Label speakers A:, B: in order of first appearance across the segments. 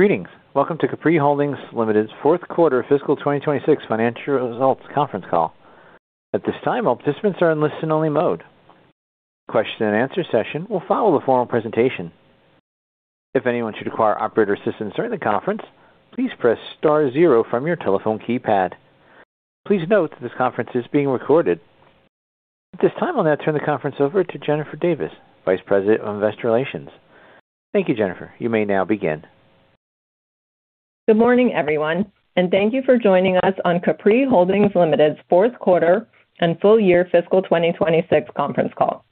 A: Greetings. Welcome to Capri Holdings Limited's fourth quarter fiscal 2026 financial results conference call. At this time, all participants are in listen-only mode. Question and answer session will follow the formal presentation. If anyone should require operator assistance during the conference, please press star zero from your telephone keypad. Please note that this conference is being recorded. At this time, I'll now turn the conference over to Jennifer Davis, Vice President of Investor Relations. Thank you, Jennifer. You may now begin.
B: Good morning, everyone, and thank you for joining us on Capri Holdings Limited's fourth quarter and full year fiscal 2026 conference call.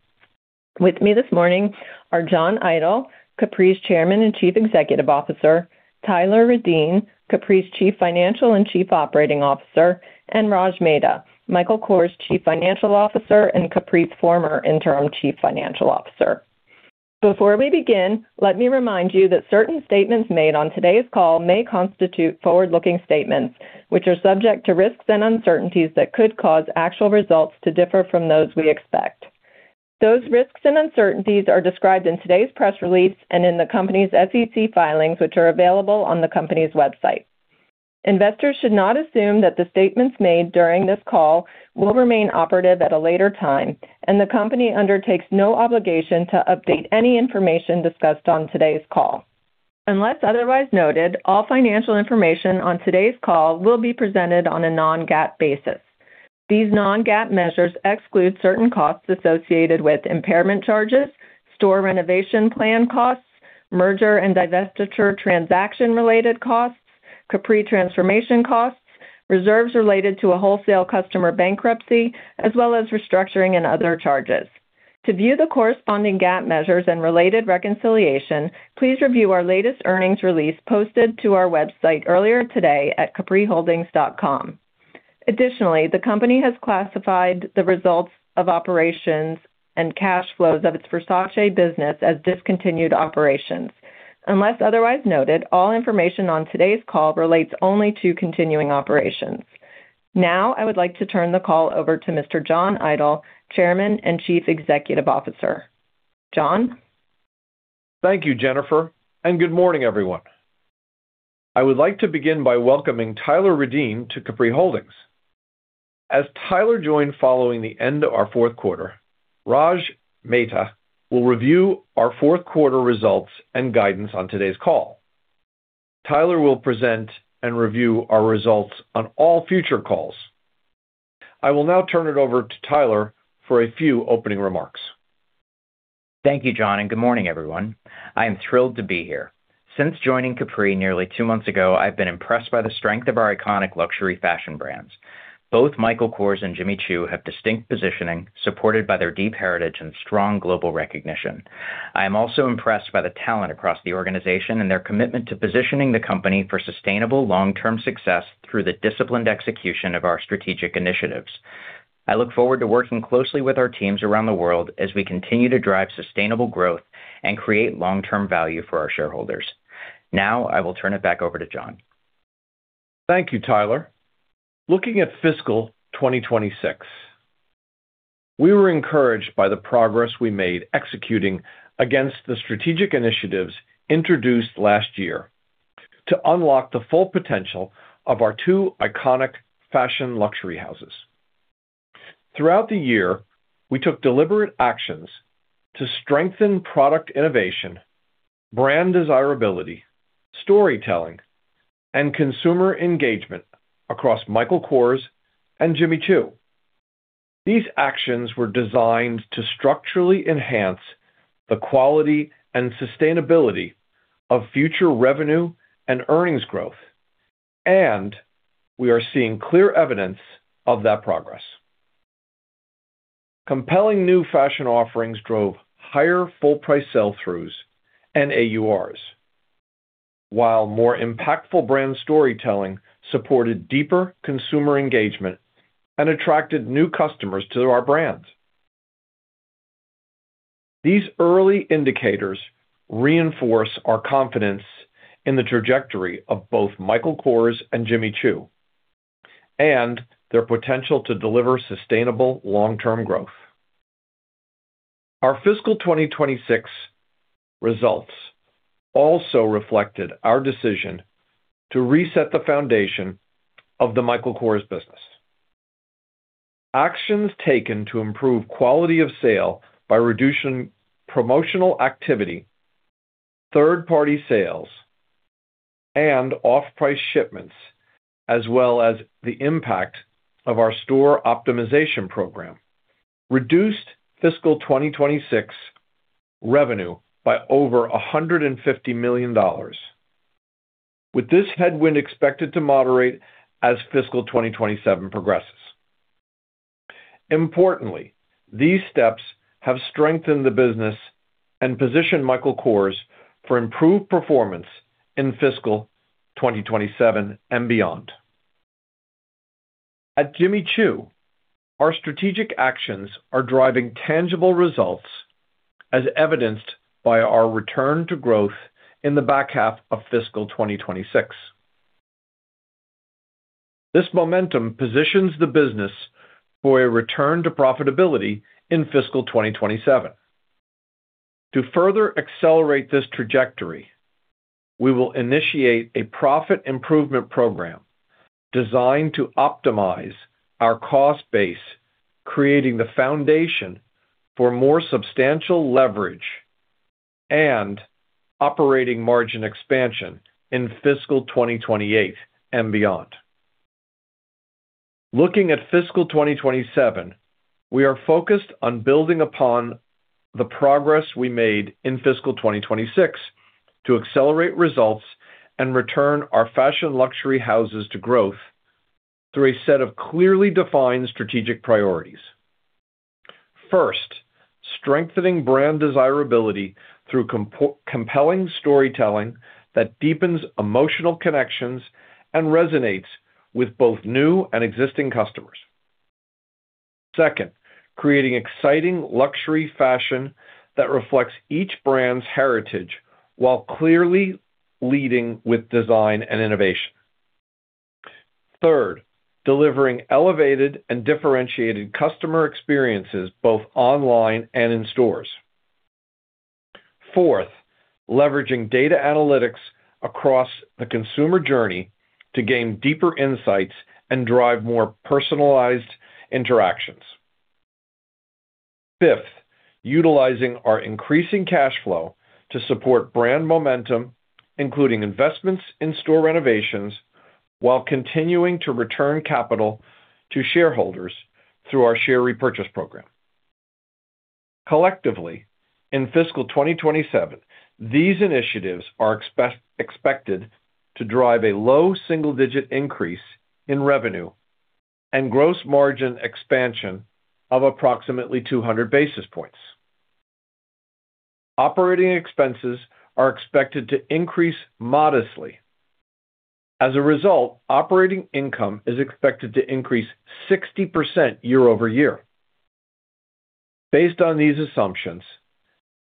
B: With me this morning are John Idol, Capri's Chairman and Chief Executive Officer, Tyler Reddien, Capri's Chief Financial and Chief Operating Officer, and Raj Mehta, Michael Kors Chief Financial Officer and Capri's former interim Chief Financial Officer. Before we begin, let me remind you that certain statements made on today's call may constitute forward-looking statements, which are subject to risks and uncertainties that could cause actual results to differ from those we expect. Those risks and uncertainties are described in today's press release and in the company's SEC filings, which are available on the company's website. Investors should not assume that the statements made during this call will remain operative at a later time, and the company undertakes no obligation to update any information discussed on today's call. Unless otherwise noted, all financial information on today's call will be presented on a non-GAAP basis. These non-GAAP measures exclude certain costs associated with impairment charges, store renovation plan costs, merger and divestiture transaction-related costs, Capri transformation costs, reserves related to a wholesale customer bankruptcy, as well as restructuring and other charges. To view the corresponding GAAP measures and related reconciliation, please review our latest earnings release posted to our website earlier today at Capriholdings.com. Additionally, the company has classified the results of operations and cash flows of its Versace business as discontinued operations. Unless otherwise noted, all information on today's call relates only to continuing operations. Now, I would like to turn the call over to Mr. John Idol, Chairman and Chief Executive Officer. John?
C: Thank you, Jennifer, and good morning, everyone. I would like to begin by welcoming Tyler Reddien to Capri Holdings. As Tyler joined following the end of our fourth quarter, Raj will review our fourth quarter results and guidance on today's call. Tyler will present and review our results on all future calls. I will now turn it over to Tyler for a few opening remarks.
D: Thank you, John, good morning, everyone. I am thrilled to be here. Since joining Capri nearly two months ago, I've been impressed by the strength of our iconic luxury fashion brands. Both Michael Kors and Jimmy Choo have distinct positioning, supported by their deep heritage and strong global recognition. I am also impressed by the talent across the organization and their commitment to positioning the company for sustainable long-term success through the disciplined execution of our strategic initiatives. I look forward to working closely with our teams around the world as we continue to drive sustainable growth and create long-term value for our shareholders. I will turn it back over to John.
C: Thank you, Tyler. Looking at fiscal 2026, we were encouraged by the progress we made executing against the strategic initiatives introduced last year to unlock the full potential of our two iconic fashion luxury houses. Throughout the year, we took deliberate actions to strengthen product innovation, brand desirability, storytelling, and consumer engagement across Michael Kors and Jimmy Choo. These actions were designed to structurally enhance the quality and sustainability of future revenue and earnings growth, and we are seeing clear evidence of that progress. Compelling new fashion offerings drove higher full-price sell-throughs and AURs, while more impactful brand storytelling supported deeper consumer engagement and attracted new customers to our brands. These early indicators reinforce our confidence in the trajectory of both Michael Kors and Jimmy Choo, and their potential to deliver sustainable long-term growth. Our fiscal 2026 results also reflected our decision to reset the foundation of the Michael Kors business. Actions taken to improve quality of sale by reducing promotional activity, third-party sales, and off-price shipments, as well as the impact of our store optimization program, reduced fiscal 2026 revenue by over $150 million, with this headwind expected to moderate as fiscal 2027 progresses. Importantly, these steps have strengthened the business and positioned Michael Kors for improved performance in fiscal 2027 and beyond. At Jimmy Choo, our strategic actions are driving tangible results as evidenced by our return to growth in the back half of fiscal 2026. This momentum positions the business for a return to profitability in fiscal 2027. To further accelerate this trajectory, we will initiate a profit improvement program designed to optimize our cost base, creating the foundation for more substantial leverage and operating margin expansion in fiscal 2028 and beyond. Looking at fiscal 2027, we are focused on building upon the progress we made in fiscal 2026 to accelerate results and return our fashion luxury houses to growth through a set of clearly defined strategic priorities. First, strengthening brand desirability through compelling storytelling that deepens emotional connections and resonates with both new and existing customers. Second, creating exciting luxury fashion that reflects each brand's heritage while clearly leading with design and innovation. Third, delivering elevated and differentiated customer experiences both online and in stores. Fourth, leveraging data analytics across the consumer journey to gain deeper insights and drive more personalized interactions. Fifth, utilizing our increasing cash flow to support brand momentum, including investments in store renovations while continuing to return capital to shareholders through our share repurchase program. Collectively, in fiscal 2027, these initiatives are expected to drive a low single-digit increase in revenue and gross margin expansion of approximately 200 basis points. Operating expenses are expected to increase modestly. As a result, operating income is expected to increase 60% year-over-year. Based on these assumptions,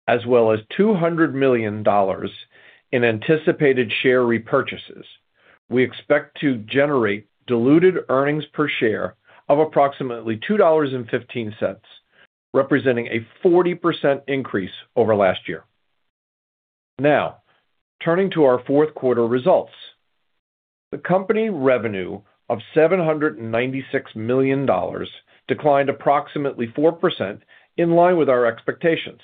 C: as well as $200 million in anticipated share repurchases, we expect to generate diluted earnings per share of approximately $2.15, representing a 40% increase over last year. Turning to our fourth quarter results, the company revenue of $796 million declined approximately 4% in line with our expectations.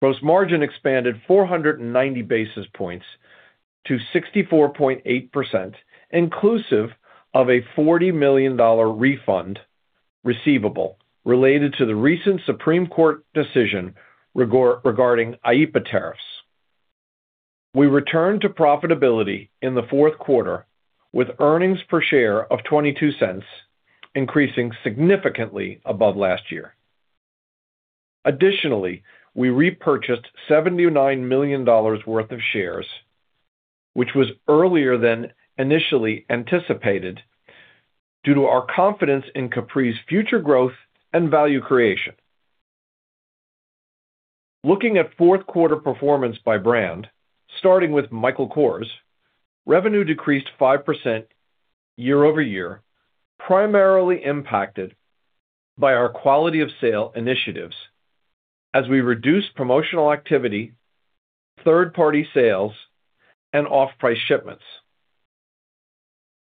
C: Gross margin expanded 490 basis points to 64.8%, inclusive of a $40 million refund receivable related to the recent Supreme Court decision regarding IEEPA tariffs. We returned to profitability in the fourth quarter with earnings per share of $0.22, increasing significantly above last year. Additionally, we repurchased $79 million worth of shares, which was earlier than initially anticipated due to our confidence in Capri's future growth and value creation. Looking at fourth quarter performance by brand, starting with Michael Kors, revenue decreased 5% year-over-year, primarily impacted by our quality of sale initiatives as we reduced promotional activity, third-party sales, and off-price shipments.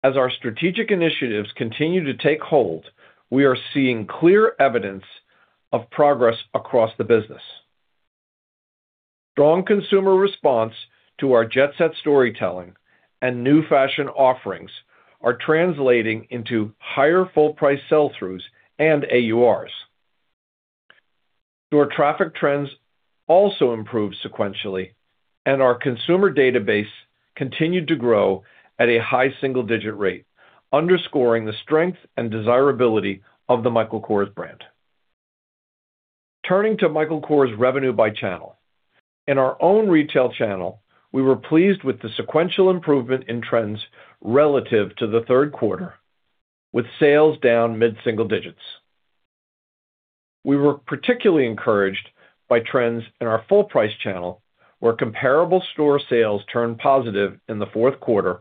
C: As our strategic initiatives continue to take hold, we are seeing clear evidence of progress across the business. Strong consumer response to our Jet Set storytelling and new fashion offerings are translating into higher full price sell-throughs and AURs. Store traffic trends also improved sequentially, and our consumer database continued to grow at a high single-digit rate, underscoring the strength and desirability of the Michael Kors brand. Turning to Michael Kors revenue by channel. In our own retail channel, we were pleased with the sequential improvement in trends relative to the third quarter, with sales down mid-single digits. We were particularly encouraged by trends in our full price channel, where comparable store sales turned positive in the fourth quarter,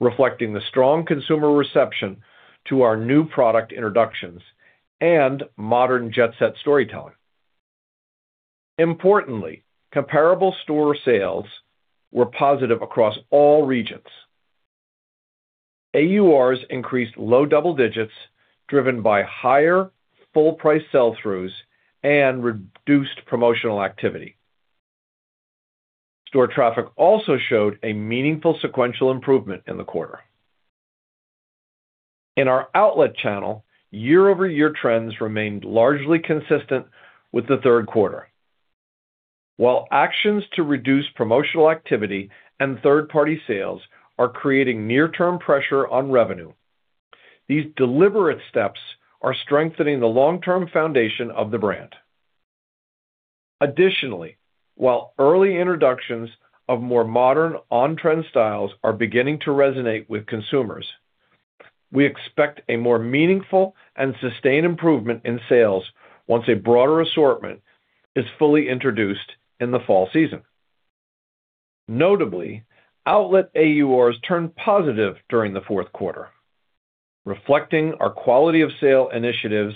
C: reflecting the strong consumer reception to our new product introductions and modern Jet Set storytelling. Importantly, comparable store sales were positive across all regions. AURs increased low double digits, driven by higher full price sell-throughs and reduced promotional activity. Store traffic also showed a meaningful sequential improvement in the quarter. In our outlet channel, year-over-year trends remained largely consistent with the third quarter. While actions to reduce promotional activity and third-party sales are creating near-term pressure on revenue, these deliberate steps are strengthening the long-term foundation of the brand. Additionally, while early introductions of more modern on-trend styles are beginning to resonate with consumers. We expect a more meaningful and sustained improvement in sales once a broader assortment is fully introduced in the fall season. Notably, outlet AURs turned positive during the fourth quarter, reflecting our quality of sale initiatives,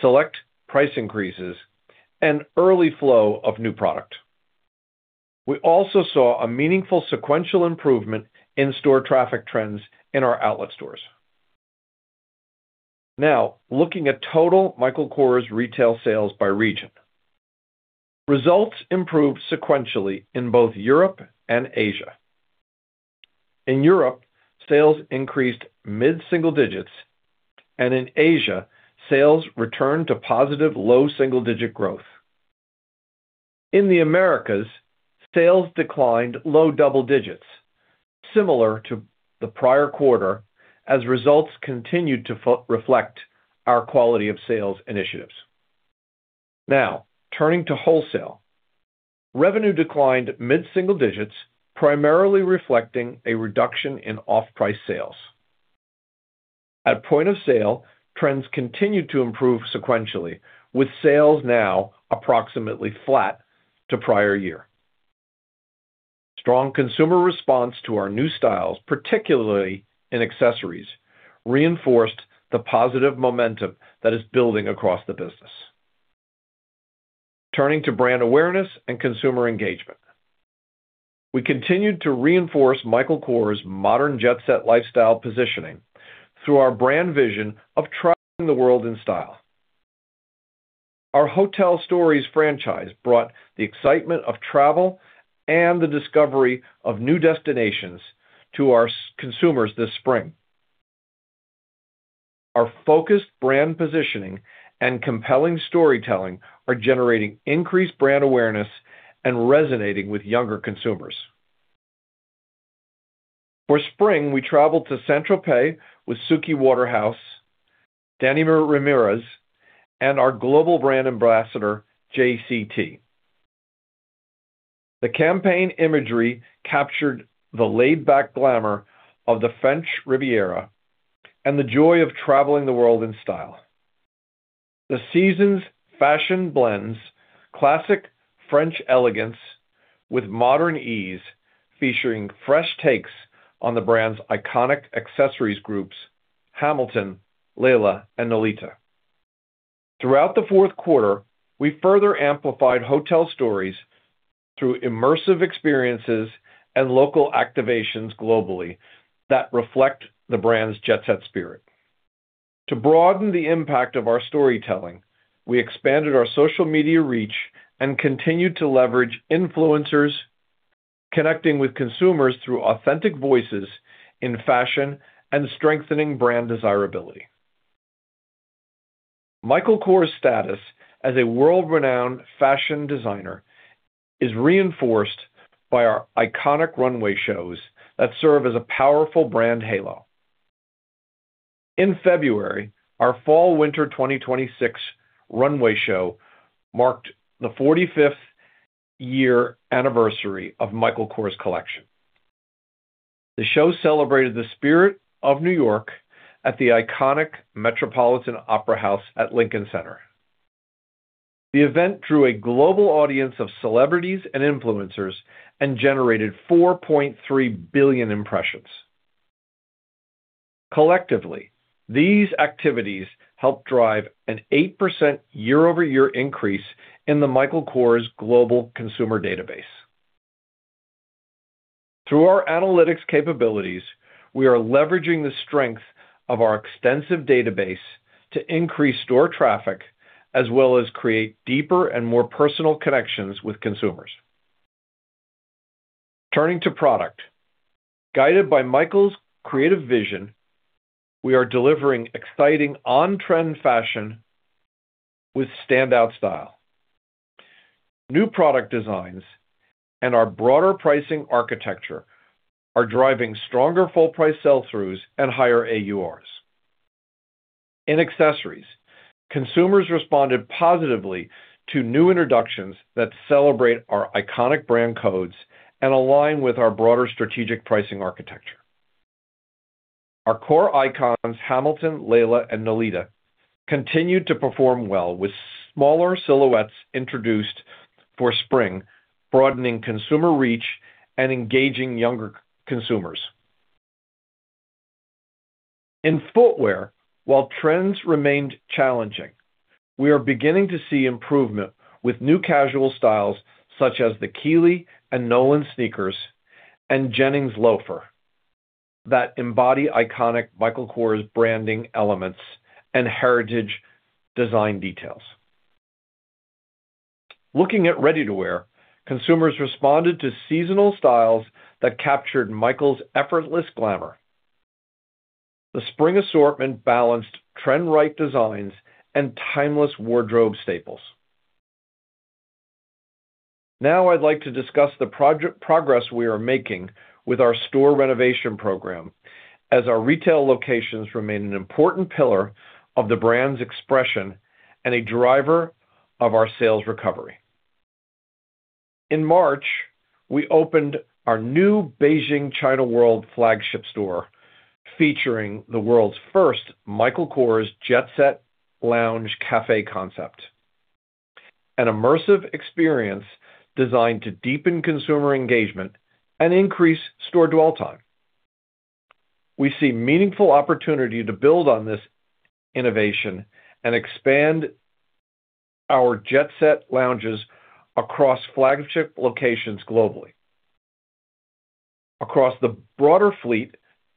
C: select price increases, and early flow of new product. We also saw a meaningful sequential improvement in store traffic trends in our outlet stores. Looking at total Michael Kors retail sales by region. Results improved sequentially in both Europe and Asia. In Europe, sales increased mid-single digits, and in Asia, sales returned to positive low double-digit growth. In the Americas, sales declined low double digits, similar to the prior quarter, as results continued to reflect our quality of sales initiatives. Turning to wholesale. Revenue declined mid-single digits, primarily reflecting a reduction in off-price sales. At point of sale, trends continued to improve sequentially, with sales now approximately flat to prior year. Strong consumer response to our new styles, particularly in accessories, reinforced the positive momentum that is building across the business. Turning to brand awareness and consumer engagement. We continued to reinforce Michael Kors' modern Jet Set lifestyle positioning through our brand vision of traveling the world in style. Our Hotel Stories franchise brought the excitement of travel and the discovery of new destinations to our consumers this spring. Our focused brand positioning and compelling storytelling are generating increased brand awareness and resonating with younger consumers. For spring, we traveled to Saint-Tropez with Suki Waterhouse, Danny Ramirez, and our global brand ambassador, JC-T. The campaign imagery captured the laid-back glamour of the French Riviera and the joy of traveling the world in style. The season's fashion blends classic French elegance with modern ease, featuring fresh takes on the brand's iconic accessories groups, Hamilton, Laila, and Nolita. Throughout the fourth quarter, we further amplified Hotel Stories through immersive experiences and local activations globally that reflect the brand's jet set spirit. To broaden the impact of our storytelling, we expanded our social media reach and continued to leverage influencers, connecting with consumers through authentic voices in fashion and strengthening brand desirability. Michael Kors' status as a world-renowned fashion designer is reinforced by our iconic runway shows that serve as a powerful brand halo. In February, our fall/winter 2026 runway show marked the 45th year anniversary of Michael Kors Collection. The show celebrated the spirit of New York at the iconic Metropolitan Opera House at Lincoln Center. The event drew a global audience of celebrities and influencers and generated 4.3 billion impressions. Collectively, these activities helped drive an 8% year-over-year increase in the Michael Kors global consumer database. Through our analytics capabilities, we are leveraging the strength of our extensive database to increase store traffic, as well as create deeper and more personal connections with consumers. Turning to product. Guided by Michael's creative vision, we are delivering exciting on-trend fashion with standout style. New product designs and our broader pricing architecture are driving stronger full price sell-throughs and higher AURs. In accessories, consumers responded positively to new introductions that celebrate our iconic brand codes and align with our broader strategic pricing architecture. Our core icons, Hamilton, Laila, and Nolita, continued to perform well with smaller silhouettes introduced for spring, broadening consumer reach and engaging younger consumers. In footwear, while trends remained challenging, we are beginning to see improvement with new casual styles, such as the Keeley and Nolan sneakers and Jennings loafer, that embody iconic Michael Kors branding elements and heritage design details. Looking at ready-to-wear, consumers responded to seasonal styles that captured Michael's effortless glamour. The spring assortment balanced trend-right designs and timeless wardrobe staples. Now I'd like to discuss the progress we are making with our store renovation program, as our retail locations remain an important pillar of the brand's expression and a driver of our sales recovery. In March, we opened our new Beijing China World flagship store, featuring the world's first Michael Kors Jet Set lounge café concept, an immersive experience designed to deepen consumer engagement and increase store dwell time. We see meaningful opportunity to build on this innovation and expand our Jet Set lounges across flagship locations globally. Across the broader fleet,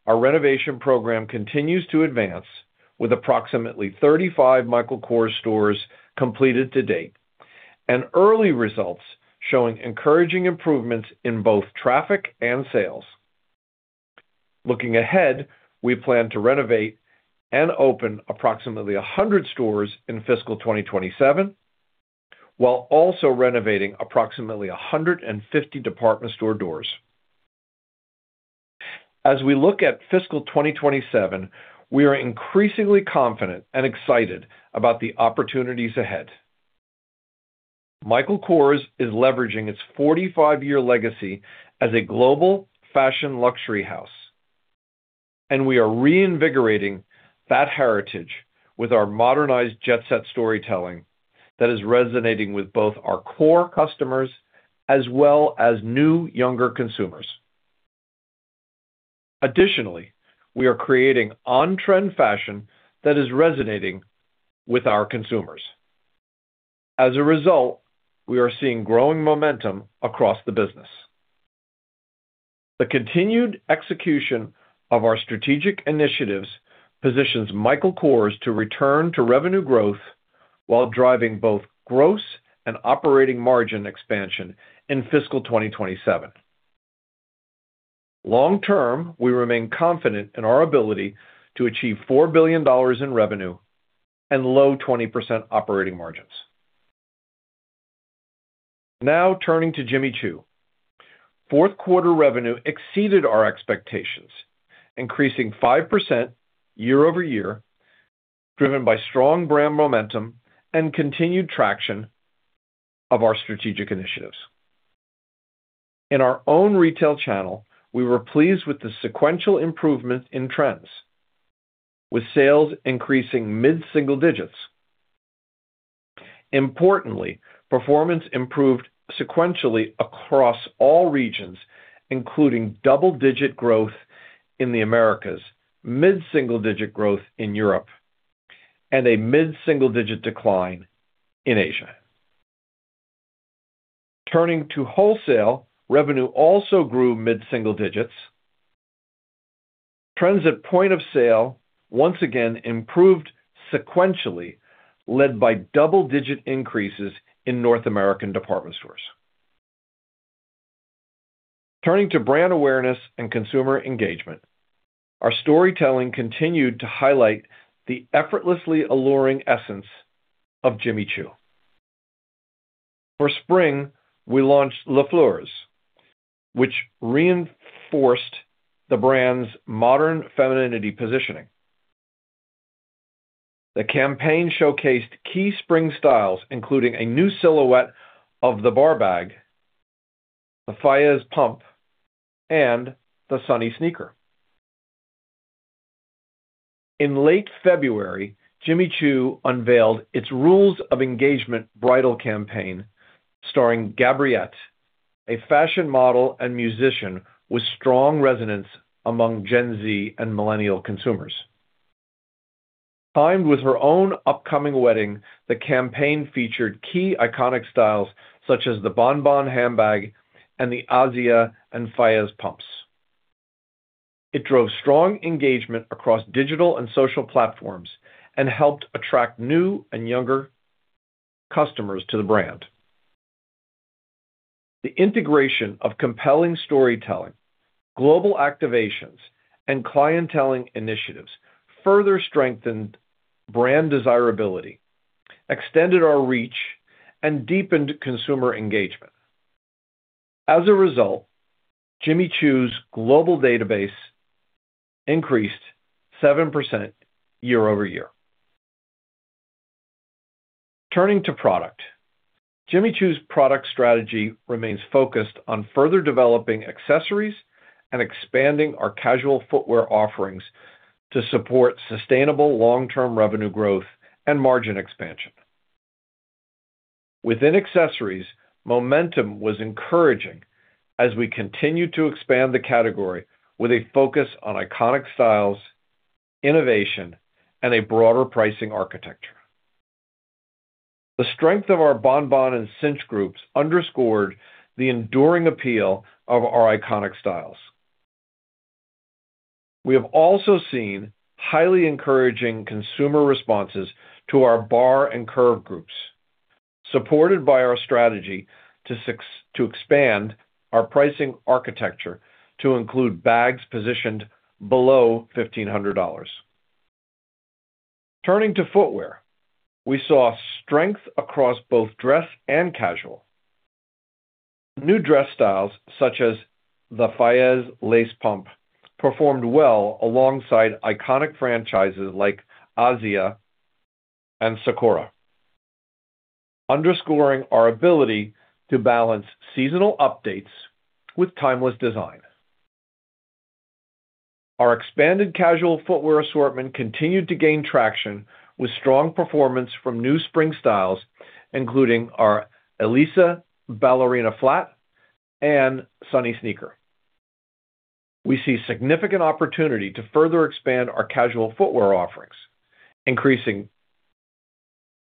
C: our renovation program continues to advance with approximately 35 Michael Kors stores completed to date, and early results showing encouraging improvements in both traffic and sales. Looking ahead, we plan to renovate and open approximately 100 stores in fiscal 2027, while also renovating approximately 150 department store doors. As we look at fiscal 2027, we are increasingly confident and excited about the opportunities ahead. Michael Kors is leveraging its 45-year legacy as a global fashion luxury house, and we are reinvigorating that heritage with our modernized Jet Set storytelling that is resonating with both our core customers as well as new younger consumers. Additionally, we are creating on-trend fashion that is resonating with our consumers. As a result, we are seeing growing momentum across the business. The continued execution of our strategic initiatives positions Michael Kors to return to revenue growth while driving both gross and operating margin expansion in fiscal 2027. Long-term, we remain confident in our ability to achieve $4 billion in revenue and low 20% operating margins. Now, turning to Jimmy Choo. Fourth quarter revenue exceeded our expectations, increasing 5% year-over-year, driven by strong brand momentum and continued traction of our strategic initiatives. In our own retail channel, we were pleased with the sequential improvement in trends, with sales increasing mid-single digits. Importantly, performance improved sequentially across all regions, including double-digit growth in the Americas, mid-single-digit growth in Europe, and a mid-single-digit decline in Asia. Turning to wholesale, revenue also grew mid-single digits. Trends at point of sale once again improved sequentially, led by double-digit increases in North American department stores. Turning to brand awareness and consumer engagement, our storytelling continued to highlight the effortlessly alluring essence of Jimmy Choo. For spring, we launched Les Fleurs, which reinforced the brand's modern femininity positioning. The campaign showcased key spring styles, including a new silhouette of the Bar bag, the Faiz pump, and the Sunny sneaker. In late February, Jimmy Choo unveiled its Rules of Engagement bridal campaign starring Gabbriette, a fashion model and musician with strong resonance among Gen Z and millennial consumers. Timed with her own upcoming wedding, the campaign featured key iconic styles such as the Bon Bon handbag and the Azia and Faiz pumps. It drove strong engagement across digital and social platforms and helped attract new and younger customers to the brand. The integration of compelling storytelling, global activations, and clienteling initiatives further strengthened brand desirability, extended our reach, and deepened consumer engagement. As a result, Jimmy Choo's global database increased 7% year-over-year. Turning to product. Jimmy Choo's product strategy remains focused on further developing accessories and expanding our casual footwear offerings to support sustainable long-term revenue growth and margin expansion. Within accessories, momentum was encouraging as we continued to expand the category with a focus on iconic styles, innovation, and a broader pricing architecture. The strength of our Bon Bon and Cinch groups underscored the enduring appeal of our iconic styles. We have also seen highly encouraging consumer responses to our Bar and Curve groups, supported by our strategy to expand our pricing architecture to include bags positioned below $1,500. Turning to footwear, we saw strength across both dress and casual. New dress styles such as the Faiz lace pump performed well alongside iconic franchises like Azia and Sacora, underscoring our ability to balance seasonal updates with timeless design. Our expanded casual footwear assortment continued to gain traction with strong performance from new spring styles, including our Elisa ballerina flat and Sunny sneaker. We see significant opportunity to further expand our casual footwear offerings, increasing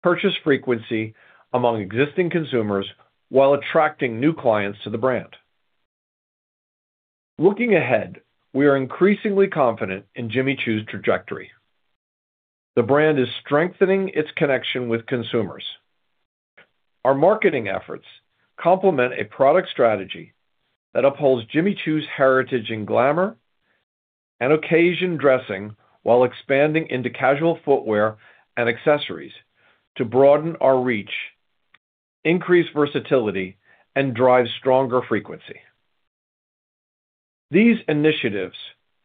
C: purchase frequency among existing consumers while attracting new clients to the brand. Looking ahead, we are increasingly confident in Jimmy Choo's trajectory. The brand is strengthening its connection with consumers. Our marketing efforts complement a product strategy that upholds Jimmy Choo's heritage and glamour, and occasion dressing, while expanding into casual footwear and accessories to broaden our reach, increase versatility, and drive stronger frequency. These initiatives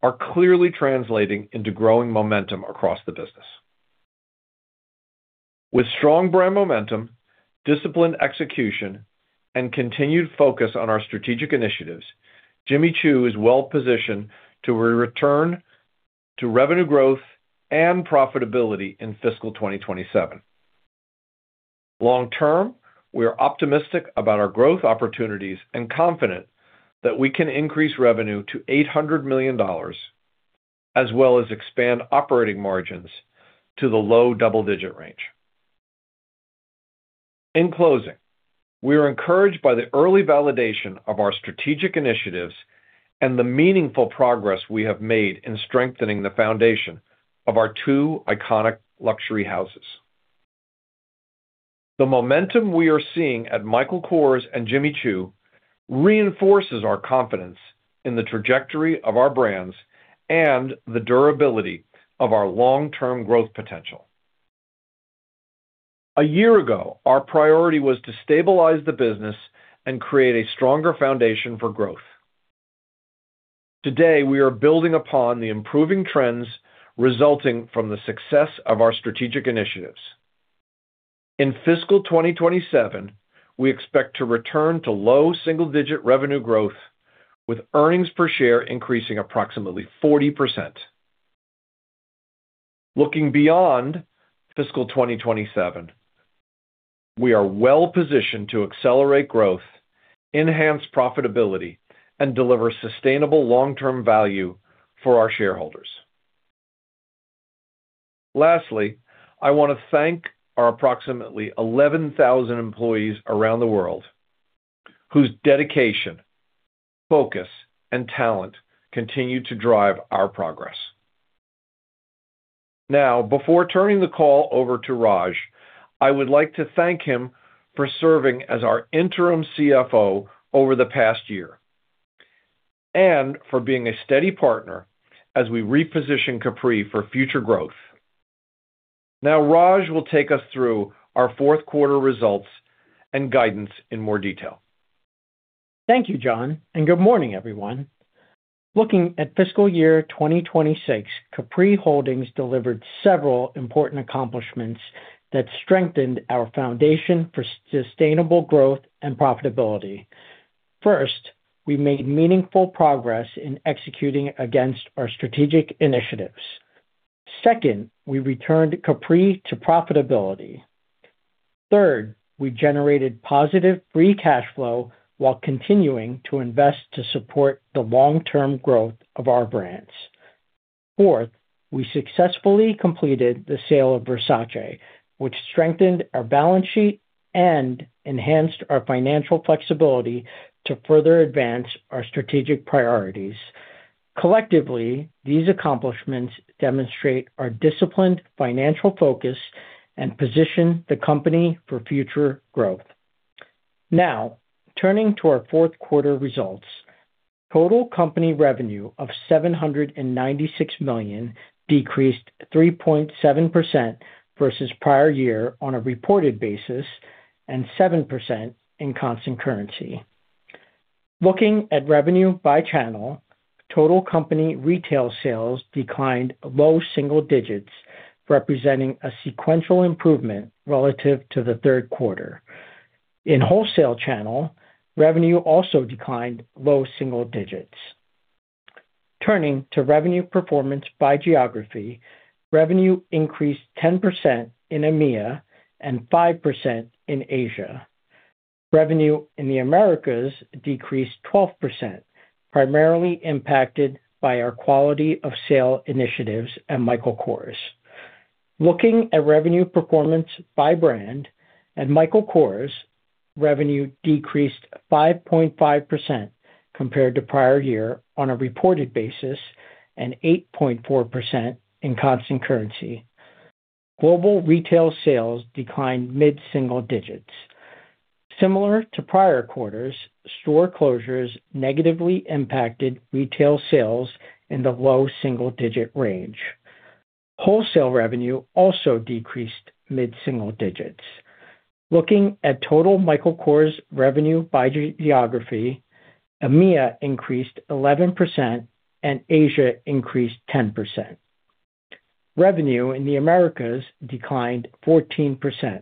C: are clearly translating into growing momentum across the business. With strong brand momentum, disciplined execution, and continued focus on our strategic initiatives, Jimmy Choo is well-positioned to return to revenue growth and profitability in fiscal 2027. Long term, we are optimistic about our growth opportunities and confident that we can increase revenue to $800 million, as well as expand operating margins to the low double-digit range. In closing, we are encouraged by the early validation of our strategic initiatives and the meaningful progress we have made in strengthening the foundation of our two iconic luxury houses. The momentum we are seeing at Michael Kors and Jimmy Choo reinforces our confidence in the trajectory of our brands and the durability of our long-term growth potential. A year ago, our priority was to stabilize the business and create a stronger foundation for growth. Today, we are building upon the improving trends resulting from the success of our strategic initiatives. In fiscal 2027, we expect to return to low single-digit revenue growth, with earnings per share increasing approximately 40%. Looking beyond fiscal 2027, we are well-positioned to accelerate growth, enhance profitability, and deliver sustainable long-term value for our shareholders. Lastly, I want to thank our approximately 11,000 employees around the world, whose dedication, focus, and talent continue to drive our progress. Before turning the call over to Raj, I would like to thank him for serving as our interim CFO over the past year, and for being a steady partner as we reposition Capri for future growth. Raj will take us through our fourth quarter results and guidance in more detail.
E: Thank you, John. Good morning, everyone. Looking at fiscal year 2026, Capri Holdings delivered several important accomplishments that strengthened our foundation for sustainable growth and profitability. First, we made meaningful progress in executing against our strategic initiatives. Second, we returned Capri to profitability. Third, we generated positive free cash flow while continuing to invest to support the long-term growth of our brands. Fourth, we successfully completed the sale of Versace, which strengthened our balance sheet and enhanced our financial flexibility to further advance our strategic priorities. Collectively, these accomplishments demonstrate our disciplined financial focus and position the company for future growth. Turning to our fourth quarter results. Total company revenue of $796 million decreased 3.7% versus prior year on a reported basis, and 7% in constant currency. Looking at revenue by channel, total company retail sales declined low single digits, representing a sequential improvement relative to the third quarter. In wholesale channel, revenue also declined low single digits. Turning to revenue performance by geography, revenue increased 10% in EMEA and 5% in Asia. Revenue in the Americas decreased 12%, primarily impacted by our quality of sale initiatives at Michael Kors. Looking at revenue performance by brand, at Michael Kors, revenue decreased 5.5% compared to prior year on a reported basis, and 8.4% in constant currency. Global retail sales declined mid-single digits. Similar to prior quarters, store closures negatively impacted retail sales in the low single-digit range. Wholesale revenue also decreased mid-single digits. Looking at total Michael Kors revenue by geography, EMEA increased 11% and Asia increased 10%. Revenue in the Americas declined 14%,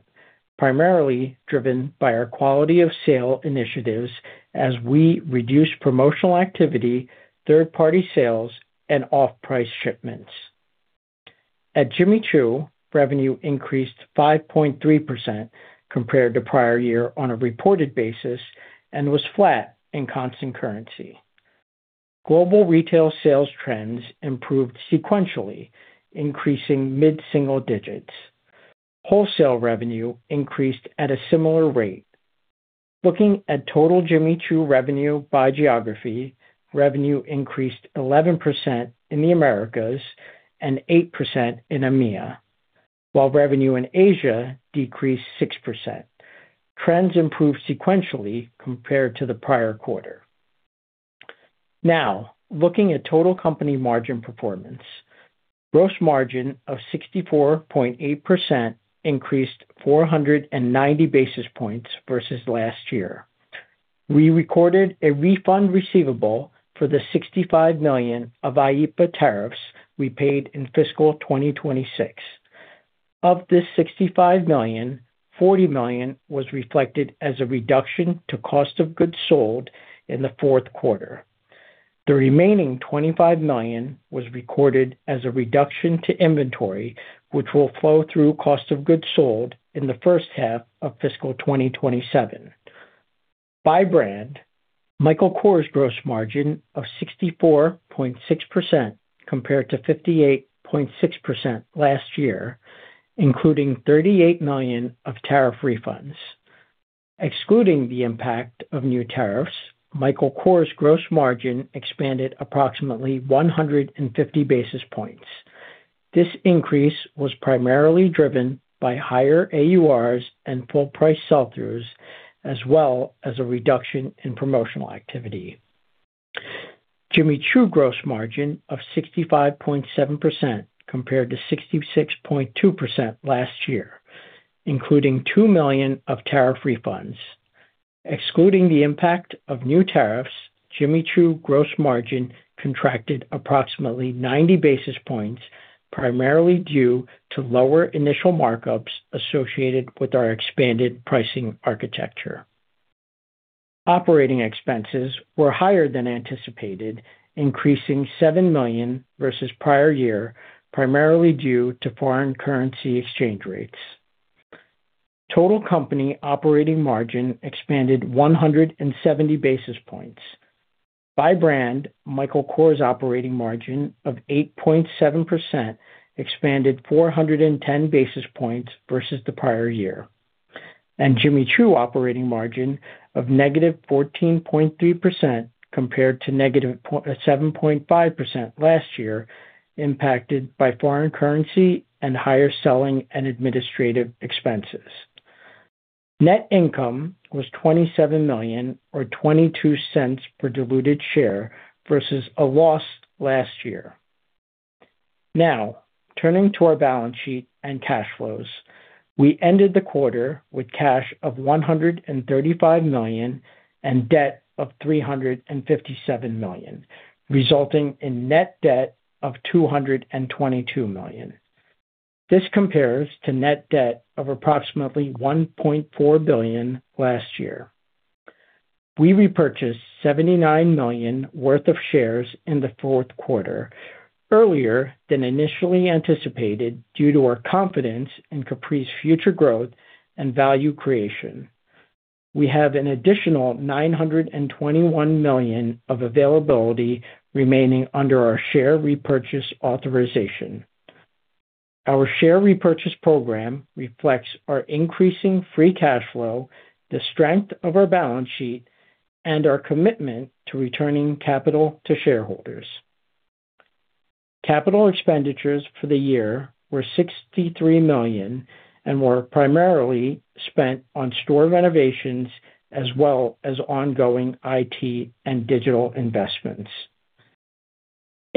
E: primarily driven by our quality of sale initiatives as we reduce promotional activity, third-party sales, and off-price shipments. At Jimmy Choo, revenue increased 5.3% compared to prior year on a reported basis and was flat in constant currency. Global retail sales trends improved sequentially, increasing mid-single digits. Wholesale revenue increased at a similar rate. Looking at total Jimmy Choo revenue by geography, revenue increased 11% in the Americas and 8% in EMEA, while revenue in Asia decreased 6%. Trends improved sequentially compared to the prior quarter. Looking at total company margin performance. Gross margin of 64.8% increased 490 basis points versus last year. We recorded a refund receivable for the $65 million of IEEPA tariffs we paid in fiscal 2026. Of this $65 million, $40 million was reflected as a reduction to cost of goods sold in the fourth quarter. The remaining $25 million was recorded as a reduction to inventory, which will flow through cost of goods sold in the first half of fiscal 2027. By brand, Michael Kors gross margin of 64.6% compared to 58.6% last year, including $38 million of tariff refunds. Excluding the impact of new tariffs, Michael Kors gross margin expanded approximately 150 basis points. This increase was primarily driven by higher AURs and full price sell-throughs, as well as a reduction in promotional activity. Jimmy Choo gross margin of 65.7% compared to 66.2% last year, including $2 million of tariff refunds. Excluding the impact of new tariffs, Jimmy Choo gross margin contracted approximately 90 basis points, primarily due to lower initial markups associated with our expanded pricing architecture. Operating expenses were higher than anticipated, increasing $7 million versus prior year, primarily due to foreign currency exchange rates. Total company operating margin expanded 170 basis points. By brand, Michael Kors operating margin of 8.7% expanded 410 basis points versus the prior year. Jimmy Choo operating margin of -14.3% compared to -7.5% last year, impacted by foreign currency and higher selling and administrative expenses. Net income was $27 million or $0.22 per diluted share versus a loss last year. Turning to our balance sheet and cash flows. We ended the quarter with cash of $135 million and debt of $357 million, resulting in net debt of $222 million. This compares to net debt of approximately $1.4 billion last year. We repurchased $79 million worth of shares in the fourth quarter, earlier than initially anticipated due to our confidence in Capri's future growth and value creation. We have an additional $921 million of availability remaining under our share repurchase authorization. Our share repurchase program reflects our increasing free cash flow, the strength of our balance sheet, and our commitment to returning capital to shareholders. Capital expenditures for the year were $63 million and were primarily spent on store renovations as well as ongoing IT and digital investments.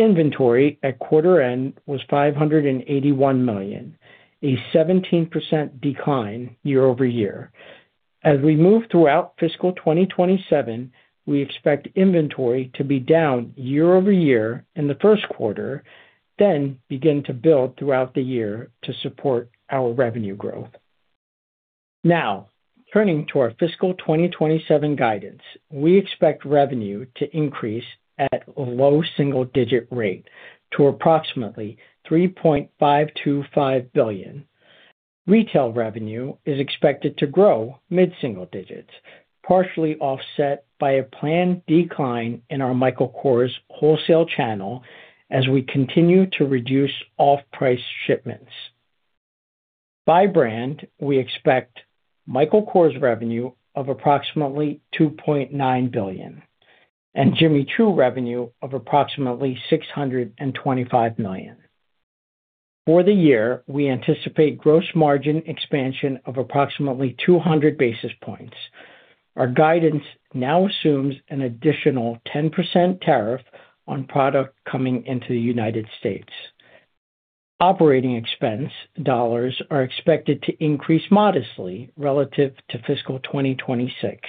E: Inventory at quarter end was $581 million, a 17% decline year-over-year. As we move throughout fiscal 2027, we expect inventory to be down year-over-year in the first quarter, then begin to build throughout the year to support our revenue growth. Turning to our fiscal 2027 guidance. We expect revenue to increase at a low single-digit rate to approximately $3.525 billion. Retail revenue is expected to grow mid-single digits, partially offset by a planned decline in our Michael Kors wholesale channel as we continue to reduce off-price shipments. By brand, we expect Michael Kors revenue of approximately $2.9 billion and Jimmy Choo revenue of approximately $625 million. For the year, we anticipate gross margin expansion of approximately 200 basis points. Our guidance now assumes an additional 10% tariff on product coming into the United States. Operating expense dollars are expected to increase modestly relative to fiscal 2026.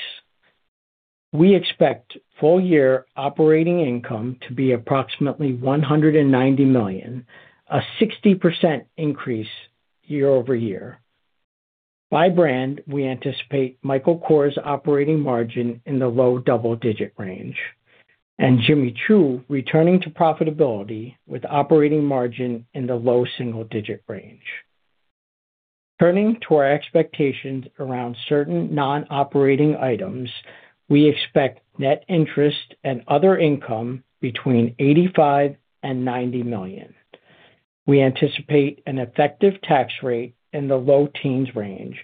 E: We expect full-year operating income to be approximately $190 million, a 60% increase year-over-year. By brand, we anticipate Michael Kors operating margin in the low double-digit range, and Jimmy Choo returning to profitability with operating margin in the low single-digit range. Turning to our expectations around certain non-operating items. We expect net interest and other income between $85 million and $90 million. We anticipate an effective tax rate in the low teens range,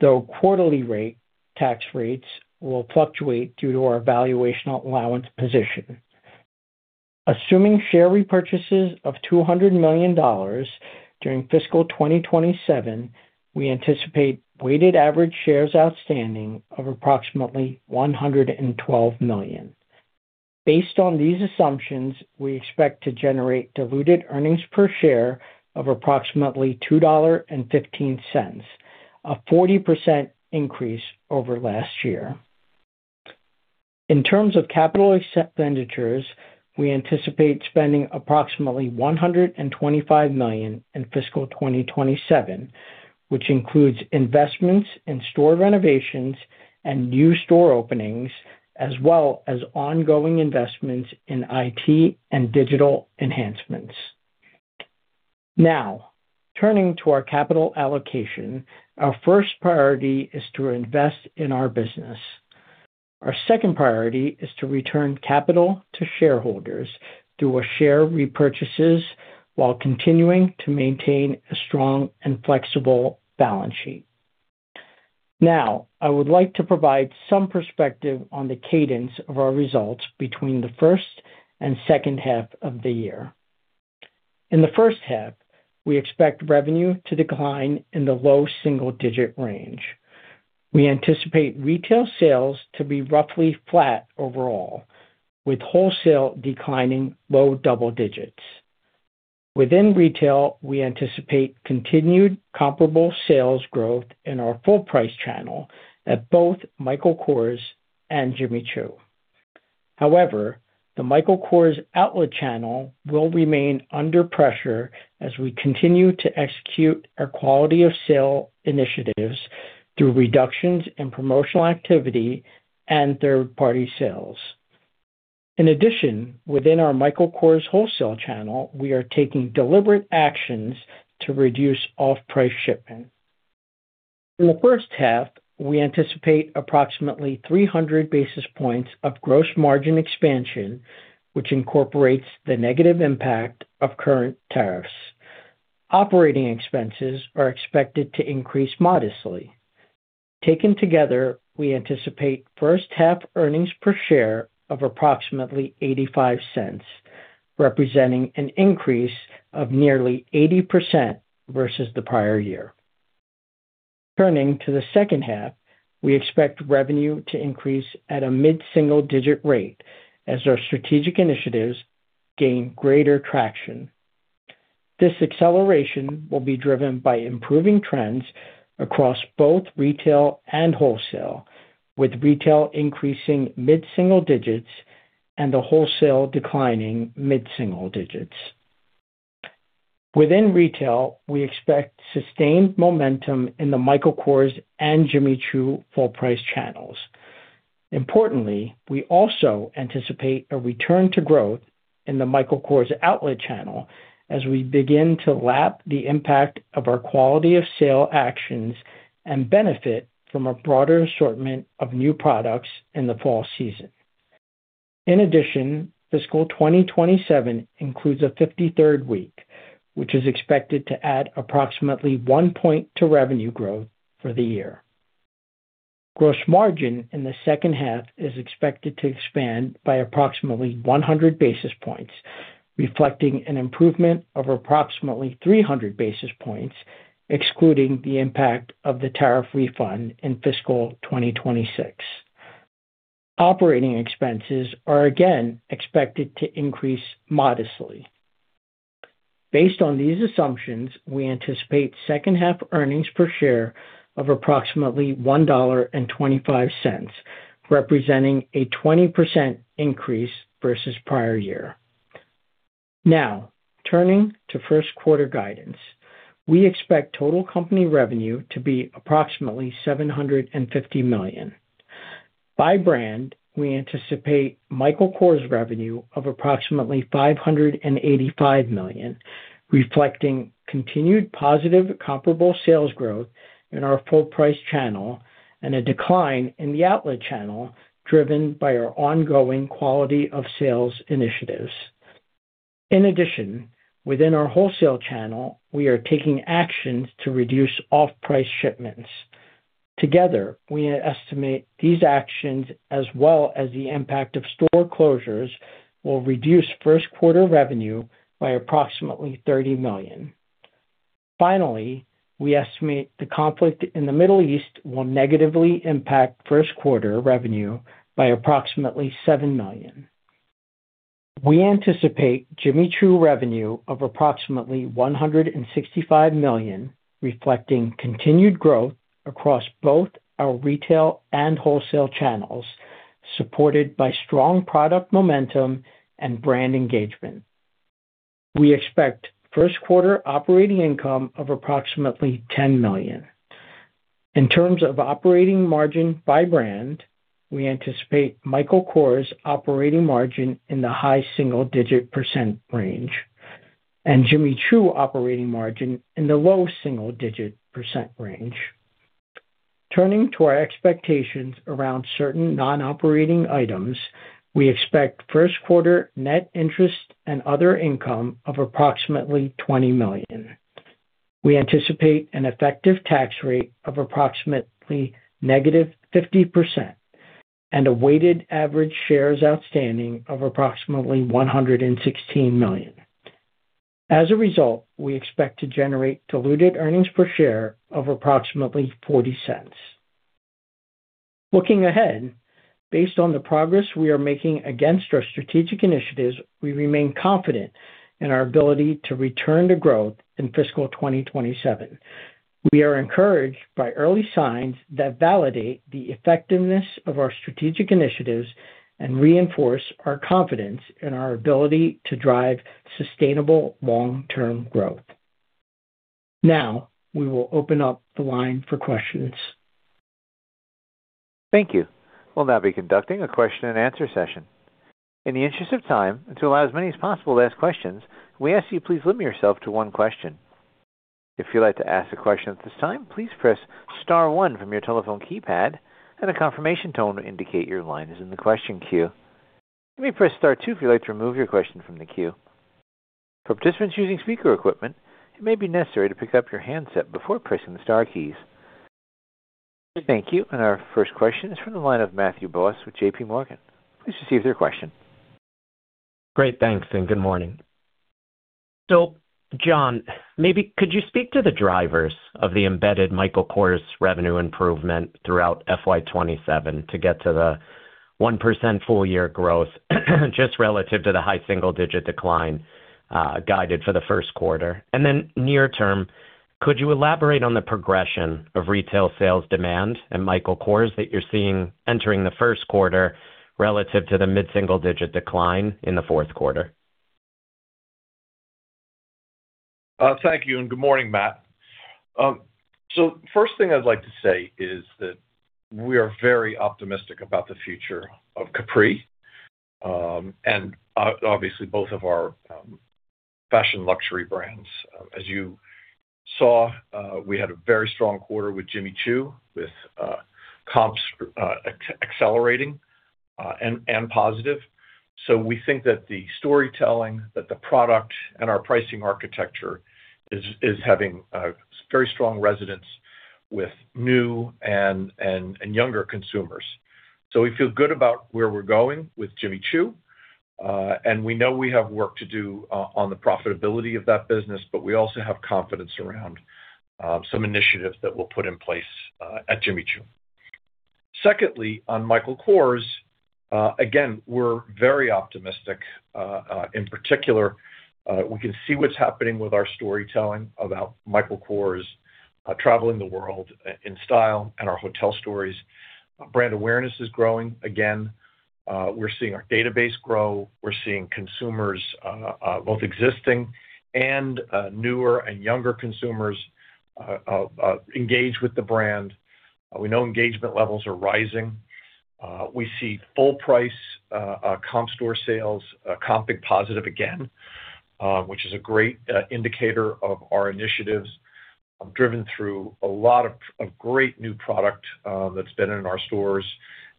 E: though quarterly tax rates will fluctuate due to our valuation allowance position. Assuming share repurchases of $200 million during fiscal 2027, we anticipate weighted average shares outstanding of approximately 112 million. Based on these assumptions, we expect to generate diluted earnings per share of approximately $2.15, a 40% increase over last year. In terms of capital expenditures, we anticipate spending approximately $125 million in fiscal 2027, which includes investments in store renovations and new store openings, as well as ongoing investments in IT and digital enhancements. Now, turning to our capital allocation, our first priority is to invest in our business. Our second priority is to return capital to shareholders through our share repurchases while continuing to maintain a strong and flexible balance sheet. Now, I would like to provide some perspective on the cadence of our results between the first and second half of the year. In the first half, we expect revenue to decline in the low single-digit range. We anticipate retail sales to be roughly flat overall, with wholesale declining low double digits. Within retail, we anticipate continued comparable sales growth in our full price channel at both Michael Kors and Jimmy Choo. The Michael Kors outlet channel will remain under pressure as we continue to execute our quality of sale initiatives through reductions in promotional activity and third-party sales. Within our Michael Kors wholesale channel, we are taking deliberate actions to reduce off-price shipping. In the first half, we anticipate approximately 300 basis points of gross margin expansion, which incorporates the negative impact of current tariffs. Operating expenses are expected to increase modestly. Taken together, we anticipate first-half earnings per share of approximately $0.85, representing an increase of nearly 80% versus the prior year. Turning to the second half, we expect revenue to increase at a mid-single digit rate as our strategic initiatives gain greater traction. This acceleration will be driven by improving trends across both retail and wholesale, with retail increasing mid-single digits and the wholesale declining mid-single digits. Within retail, we expect sustained momentum in the Michael Kors and Jimmy Choo full price channels. Importantly, we also anticipate a return to growth in the Michael Kors outlet channel as we begin to lap the impact of our quality of sale actions and benefit from a broader assortment of new products in the fall season. In addition, fiscal 2027 includes a 53rd week, which is expected to add approximately one point to revenue growth for the year. Gross margin in the second half is expected to expand by approximately 100 basis points, reflecting an improvement of approximately 300 basis points, excluding the impact of the tariff refund in fiscal 2026. Operating expenses are again expected to increase modestly. Based on these assumptions, we anticipate second-half earnings per share of approximately $1.25, representing a 20% increase versus prior year. Now, turning to first quarter guidance. We expect total company revenue to be approximately $750 million. By brand, we anticipate Michael Kors revenue of approximately $585 million, reflecting continued positive comparable sales growth in our full price channel and a decline in the outlet channel driven by our ongoing quality of sales initiatives. In addition, within our wholesale channel, we are taking actions to reduce off-price shipments. We estimate these actions as well as the impact of store closures, will reduce first quarter revenue by approximately $30 million. We estimate the conflict in the Middle East will negatively impact first quarter revenue by approximately $7 million. We anticipate Jimmy Choo revenue of approximately $165 million, reflecting continued growth across both our retail and wholesale channels, supported by strong product momentum and brand engagement. We expect first quarter operating income of approximately $10 million. In terms of operating margin by brand, we anticipate Michael Kors operating margin in the high single-digit percent range, and Jimmy Choo operating margin in the low single-digit percent range. Turning to our expectations around certain non-operating items, we expect first quarter net interest and other income of approximately $20 million. We anticipate an effective tax rate of approximately negative 50% and a weighted average shares outstanding of approximately 116 million. As a result, we expect to generate diluted earnings per share of approximately $0.40. Looking ahead, based on the progress we are making against our strategic initiatives, we remain confident in our ability to return to growth in fiscal 2027. We are encouraged by early signs that validate the effectiveness of our strategic initiatives and reinforce our confidence in our ability to drive sustainable long-term growth. Now, we will open up the line for questions.
A: Thank you. We'll now be conducting a question and answer session. In the interest of time, and to allow as many as possible to ask questions, we ask you please limit yourself to one question. If you'd like to ask a question at this time, please press star one from your telephone keypad, and a confirmation tone will indicate your line is in the question queue. You may press star two if you'd like to remove your question from the queue. For participants using speaker equipment, it may be necessary to pick up your handset before pressing the star keys. Thank you. Our first question is from the line of Matthew Boss with JPMorgan. Please proceed with your question.
F: Great. Thanks, and good morning. John, could you speak to the drivers of the embedded Michael Kors revenue improvement throughout FY 2027 to get to the 1% full year growth just relative to the high single-digit decline, guided for the first quarter? Near term, could you elaborate on the progression of retail sales demand and Michael Kors that you're seeing entering the first quarter relative to the mid-single digit decline in the fourth quarter?
C: Thank you, and good morning, Matt. First thing I'd like to say is that we are very optimistic about the future of Capri, and obviously both of our fashion luxury brands. As you saw, we had a very strong quarter with Jimmy Choo, with comps accelerating and positive. We think that the storytelling, that the product and our pricing architecture is having a very strong resonance with new and younger consumers. We feel good about where we're going with Jimmy Choo. We know we have work to do on the profitability of that business, but we also have confidence around some initiatives that we'll put in place at Jimmy Choo. Secondly, on Michael Kors, again, we're very optimistic. In particular, we can see what's happening with our storytelling about Michael Kors traveling the world in style and our Hotel Stories. Brand awareness is growing again. We're seeing our database grow. We're seeing consumers, both existing and newer and younger consumers, engage with the brand. We know engagement levels are rising. We see full price comp store sales comping positive again, which is a great indicator of our initiatives driven through a lot of great new product that's been in our stores.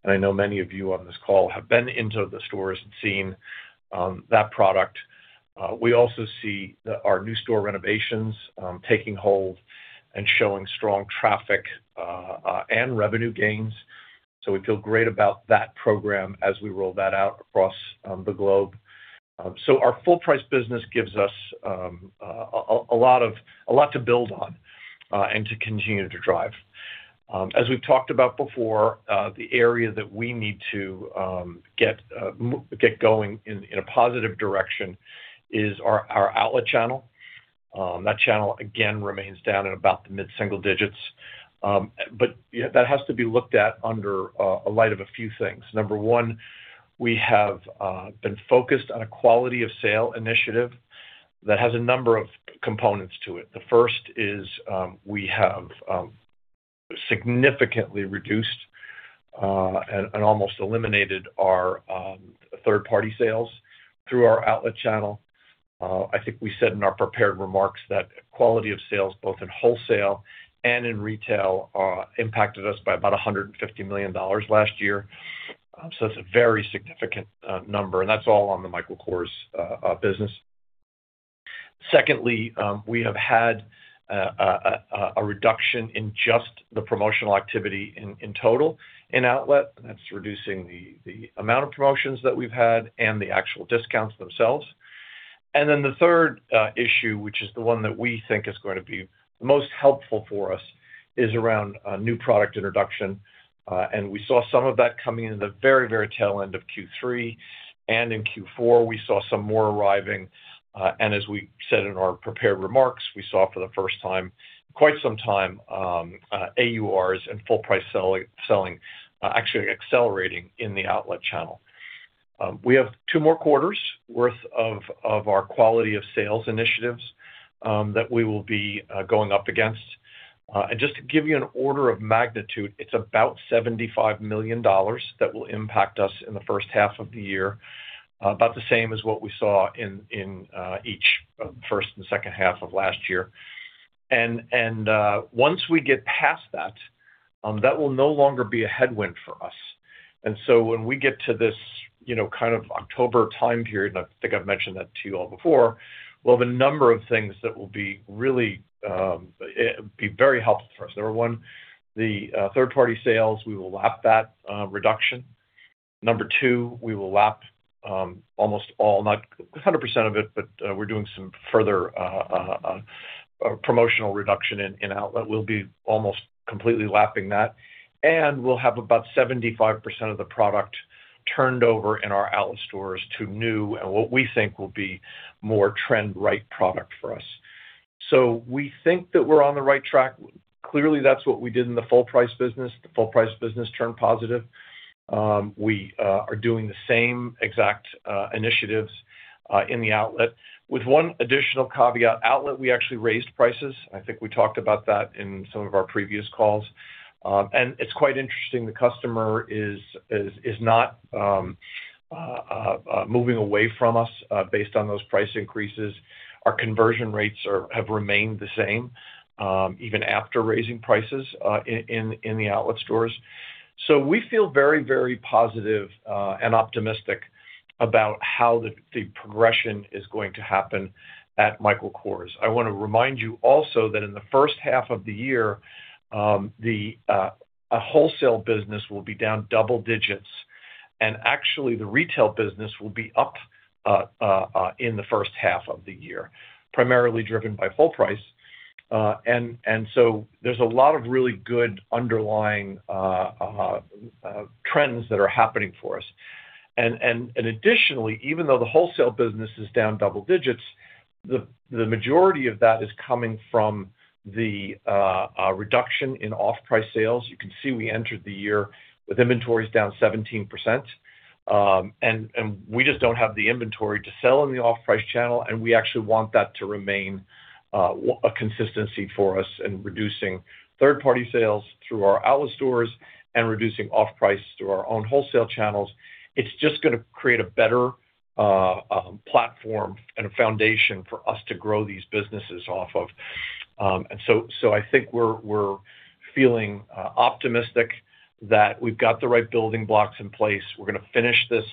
C: I know many of you on this call have been into the stores and seen that product. We also see our new store renovations taking hold and showing strong traffic and revenue gains. We feel great about that program as we roll that out across the globe. Our full price business gives us a lot to build on and to continue to drive. As we've talked about before, the area that we need to get going in a positive direction is our outlet channel. That channel again remains down at about the mid-single digits. That has to be looked at under a light of a few things. Number one, we have been focused on a quality of sale initiative that has a number of components to it. The first is, we have significantly reduced, and almost eliminated our third-party sales through our outlet channel. I think we said in our prepared remarks that quality of sales, both in wholesale and in retail, impacted us by about $150 million last year. It's a very significant number, and that's all on the Michael Kors business. Secondly, we have had a reduction in just the promotional activity in total in outlet. That's reducing the amount of promotions that we've had and the actual discounts themselves. The third issue, which is the one that we think is going to be the most helpful for us, is around new product introduction. We saw some of that coming in the very tail end of Q3, and in Q4 we saw some more arriving. As we said in our prepared remarks, we saw for the first time in quite some time, AURs and full price selling actually accelerating in the outlet channel. We have two more quarters worth of our quality of sales initiatives that we will be going up against. Just to give you an order of magnitude, it's about $75 million that will impact us in the first half of the year, about the same as what we saw in each first and second half of last year. Once we get past that will no longer be a headwind for us. When we get to this October time period, and I think I've mentioned that to you all before, we'll have a number of things that will be very helpful for us. Number one, the third-party sales, we will lap that reduction. Number two, we will lap almost all, not 100% of it, but we're doing some further promotional reduction in outlet. We'll be almost completely lapping that. We'll have about 75% of the product turned over in our outlet stores to new, and what we think will be more trend-right product for us. We think that we're on the right track. Clearly, that's what we did in the full price business. The full price business turned positive. We are doing the same exact initiatives in the outlet. With one additional caveat, outlet, we actually raised prices. I think we talked about that in some of our previous calls. It's quite interesting. The customer is not moving away from us based on those price increases. Our conversion rates have remained the same even after raising prices in the outlet stores. We feel very positive and optimistic about how the progression is going to happen at Michael Kors. I want to remind you also that in the first half of the year, the wholesale business will be down double digits, and actually the retail business will be up in the first half of the year, primarily driven by full price. There's a lot of really good underlying trends that are happening for us. Additionally, even though the wholesale business is down double digits, the majority of that is coming from the reduction in off-price sales. You can see we entered the year with inventories down 17%, and we just don't have the inventory to sell in the off-price channel, and we actually want that to remain a consistency for us in reducing third-party sales through our outlet stores and reducing off-price through our own wholesale channels. It's just going to create a better platform and a foundation for us to grow these businesses off of. I think we're feeling optimistic that we've got the right building blocks in place. We're going to finish this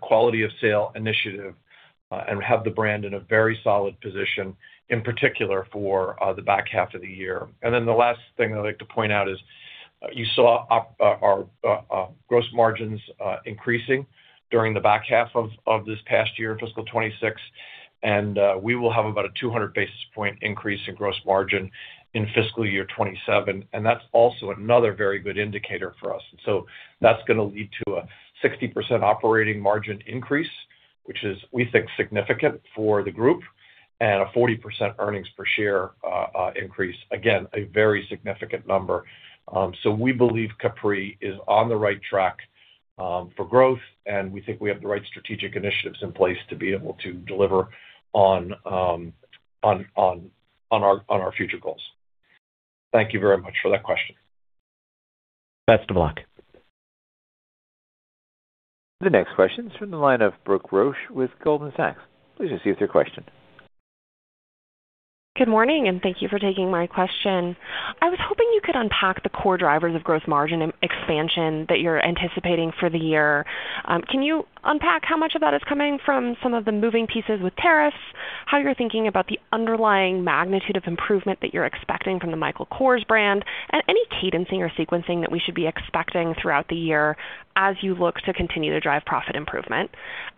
C: quality of sale initiative, and have the brand in a very solid position, in particular for the back half of the year. The last thing I'd like to point out is you saw our gross margins increasing during the back half of this past year, fiscal 2026, and we will have about a 200 basis point increase in gross margin in fiscal year 2027. That's also another very good indicator for us. That's going to lead to a 60% operating margin increase, which is, we think, significant for the group, and a 40% earnings per share increase. Again, a very significant number. We believe Capri is on the right track for growth, and we think we have the right strategic initiatives in place to be able to deliver on our future goals. Thank you very much for that question.
F: Thanks John.
A: The next question is from the line of Brooke Roach with Goldman Sachs. Please proceed with your question.
G: Good morning. Thank you for taking my question. I was hoping you could unpack the core drivers of gross margin expansion that you're anticipating for the year. Can you unpack how much of that is coming from some of the moving pieces with tariffs, how you're thinking about the underlying magnitude of improvement that you're expecting from the Michael Kors brand, and any cadencing or sequencing that we should be expecting throughout the year as you look to continue to drive profit improvement?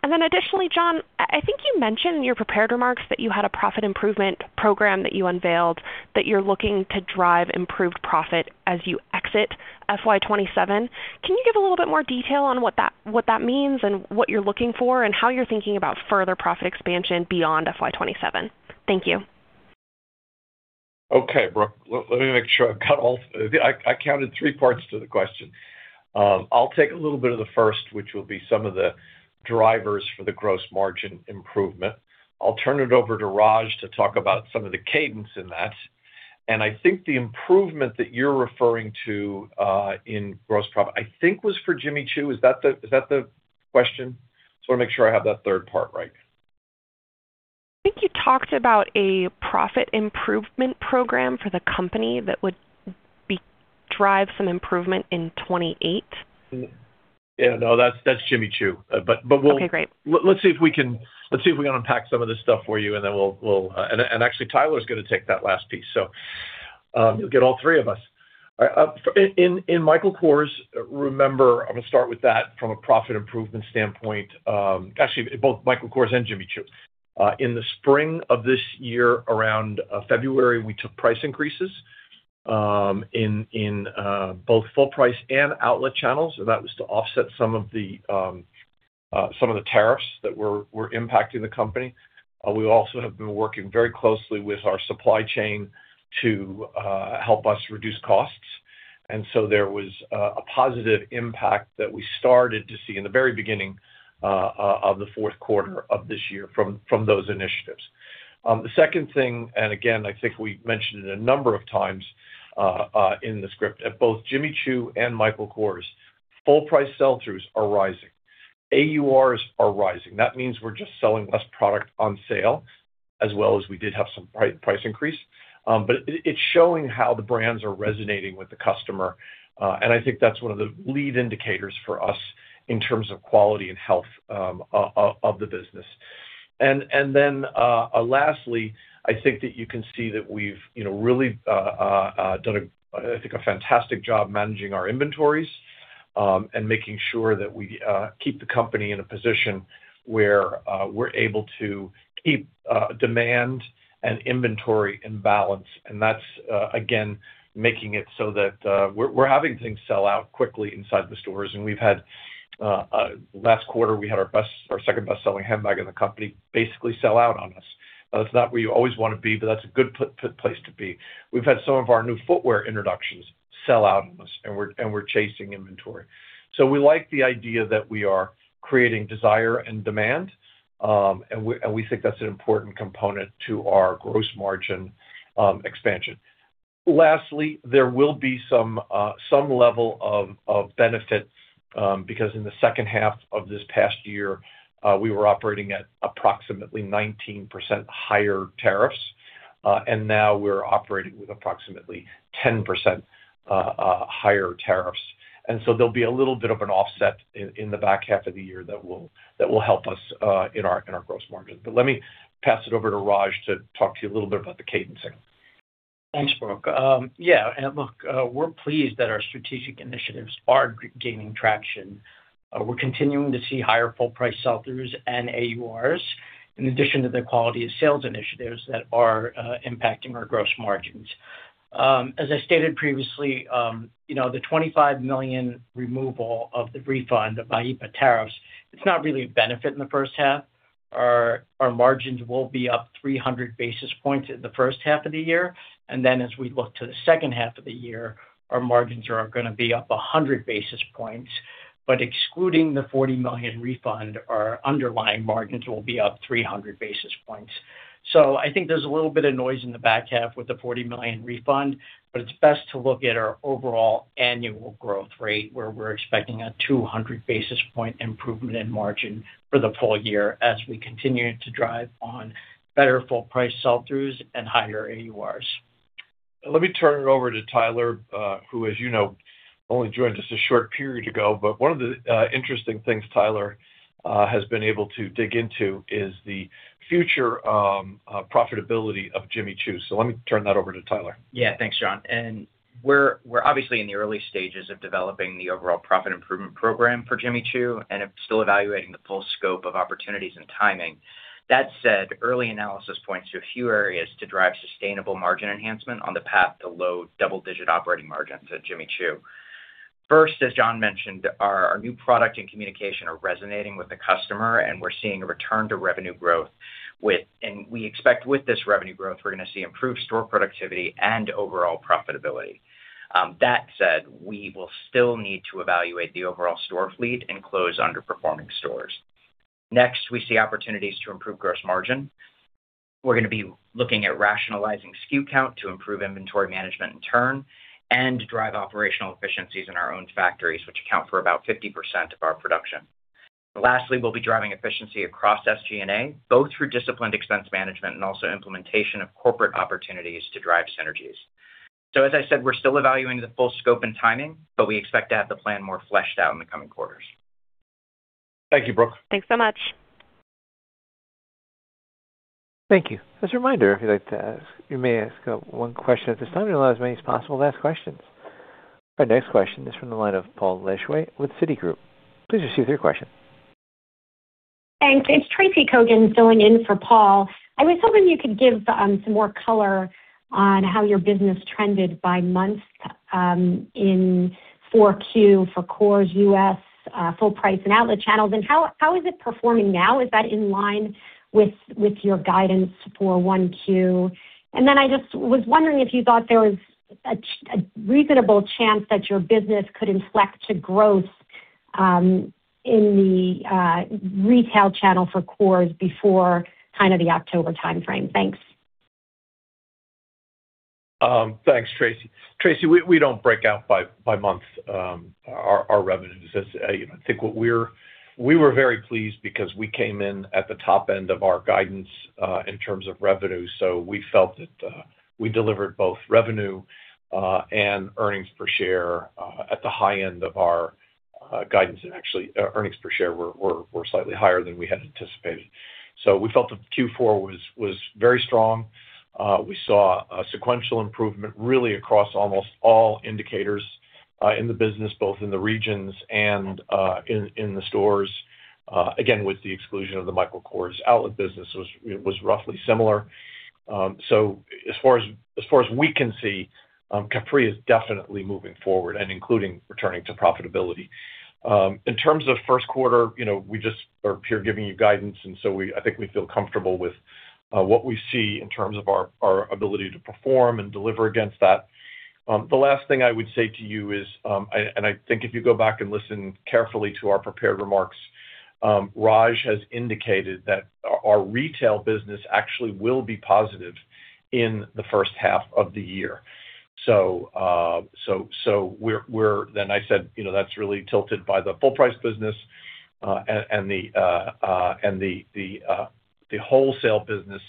G: Additionally, John, I think you mentioned in your prepared remarks that you had a profit improvement program that you unveiled, that you're looking to drive improved profit as you exit FY 2027. Can you give a little bit more detail on what that means and what you're looking for, and how you're thinking about further profit expansion beyond FY 2027? Thank you.
C: Okay, Brooke. Let me make sure I've got all. I counted three parts to the question. I'll take a little bit of the first, which will be some of the drivers for the gross margin improvement. I'll turn it over to Raj to talk about some of the cadence in that. I think the improvement that you're referring to in gross profit, I think was for Jimmy Choo. Is that the question? Just want to make sure I have that third part right.
G: I think you talked about a profit improvement program for the company that would drive some improvement in 2028.
C: Yeah, no, that's Jimmy Choo.
G: Okay, great.
C: Let's see if we can unpack some of this stuff for you, and actually, Tyler's going to take that last piece, so you'll get all three of us. In Michael Kors, remember, I'm going to start with that from a profit improvement standpoint. Actually, both Michael Kors and Jimmy Choo. In the spring of this year, around February, we took price increases in both full price and outlet channels, and that was to offset some of the tariffs that were impacting the company. We also have been working very closely with our supply chain to help us reduce costs. There was a positive impact that we started to see in the very beginning of the fourth quarter of this year from those initiatives. The second thing, again, I think we mentioned it a number of times in the script, at both Jimmy Choo and Michael Kors, full price sell-throughs are rising. AURs are rising. That means we're just selling less product on sale, as well as we did have some price increase. It's showing how the brands are resonating with the customer, and I think that's one of the lead indicators for us in terms of quality and health of the business. Lastly, I think that you can see that we've really done a fantastic job managing our inventories, and making sure that we keep the company in a position where we're able to keep demand and inventory in balance. That's, again, making it so that we're having things sell out quickly inside the stores, and last quarter, we had our second best-selling handbag in the company basically sell out on us. That's not where you always want to be. That's a good place to be. We've had some of our new footwear introductions sell out on us, and we're chasing inventory. We like the idea that we are creating desire and demand, and we think that's an important component to our gross margin expansion. Lastly, there will be some level of benefit, because in the second half of this past year, we were operating at approximately 19% higher tariffs, and now we're operating with approximately 10% higher tariffs. There'll be a little bit of an offset in the back half of the year that will help us in our gross margin. Let me pass it over to Raj to talk to you a little bit about the cadencing.
E: Thanks, Brooke. Look, we're pleased that our strategic initiatives are gaining traction. We're continuing to see higher full price sell-throughs and AURs, in addition to the quality of sales initiatives that are impacting our gross margins. As I stated previously, the $25 million removal of the refund of IEEPA tariffs, it's not really a benefit in the first half. Our margins will be up 300 basis points in the first half of the year, then as we look to the second half of the year, our margins are going to be up 100 basis points. Excluding the $40 million refund, our underlying margins will be up 300 basis points. I think there's a little bit of noise in the back half with the $40 million refund, but it's best to look at our overall annual growth rate, where we're expecting a 200 basis point improvement in margin for the full year as we continue to drive on better full price sell-throughs and higher AURs.
C: Let me turn it over to Tyler, who, as you know, only joined us a short period ago. One of the interesting things Tyler has been able to dig into is the future profitability of Jimmy Choo. Let me turn that over to Tyler.
D: Yeah. Thanks, John. We're obviously in the early stages of developing the overall profit improvement program for Jimmy Choo, and it's still evaluating the full scope of opportunities and timing. That said, early analysis points to a few areas to drive sustainable margin enhancement on the path to low double-digit operating margins at Jimmy Choo. First, as John mentioned, our new product and communication are resonating with the customer. We're seeing a return to revenue growth. We expect with this revenue growth, we're going to see improved store productivity and overall profitability. That said, we will still need to evaluate the overall store fleet and close underperforming stores. Next, we see opportunities to improve gross margin. We're going to be looking at rationalizing SKU count to improve inventory management in turn, and drive operational efficiencies in our own factories, which account for about 50% of our production. Lastly, we'll be driving efficiency across SG&A, both through disciplined expense management and also implementation of corporate opportunities to drive synergies. As I said, we're still evaluating the full scope and timing, but we expect to have the plan more fleshed out in the coming quarters.
C: Thank you. Brooke.
G: Thanks so much.
A: Thank you. As a reminder, if you'd like to ask, you may ask one question at this time. We allow as many as possible to ask questions. Our next question is from the line of Paul Lejuez with Citigroup. Please proceed with your question.
H: Thanks. It's Tracy Kogan filling in for Paul. I was hoping you could give some more color on how your business trended by month in 4Q for Kors U.S. full price and outlet channels. How is it performing now? Is that in line with your guidance for 1Q? I just was wondering if you thought there was a reasonable chance that your business could inflect to growth in the retail channel for Kors before the October timeframe. Thanks.
C: Thanks, Tracy. Tracy, we don't break out by month our revenues. We were very pleased because we came in at the top end of our guidance in terms of revenue. We felt that we delivered both revenue and earnings per share at the high end of our guidance and actually earnings per share were slightly higher than we had anticipated. We felt that Q4 was very strong. We saw a sequential improvement really across almost all indicators in the business, both in the regions and in the stores. Again, with the exclusion of the Michael Kors outlet business, it was roughly similar. As far as we can see, Capri is definitely moving forward and including returning to profitability. In terms of first quarter, we just are here giving you guidance. I think we feel comfortable with what we see in terms of our ability to perform and deliver against that. The last thing I would say to you is, I think if you go back and listen carefully to our prepared remarks, Raj has indicated that our retail business actually will be positive in the first half of the year. I said that's really tilted by the full-price business. The wholesale business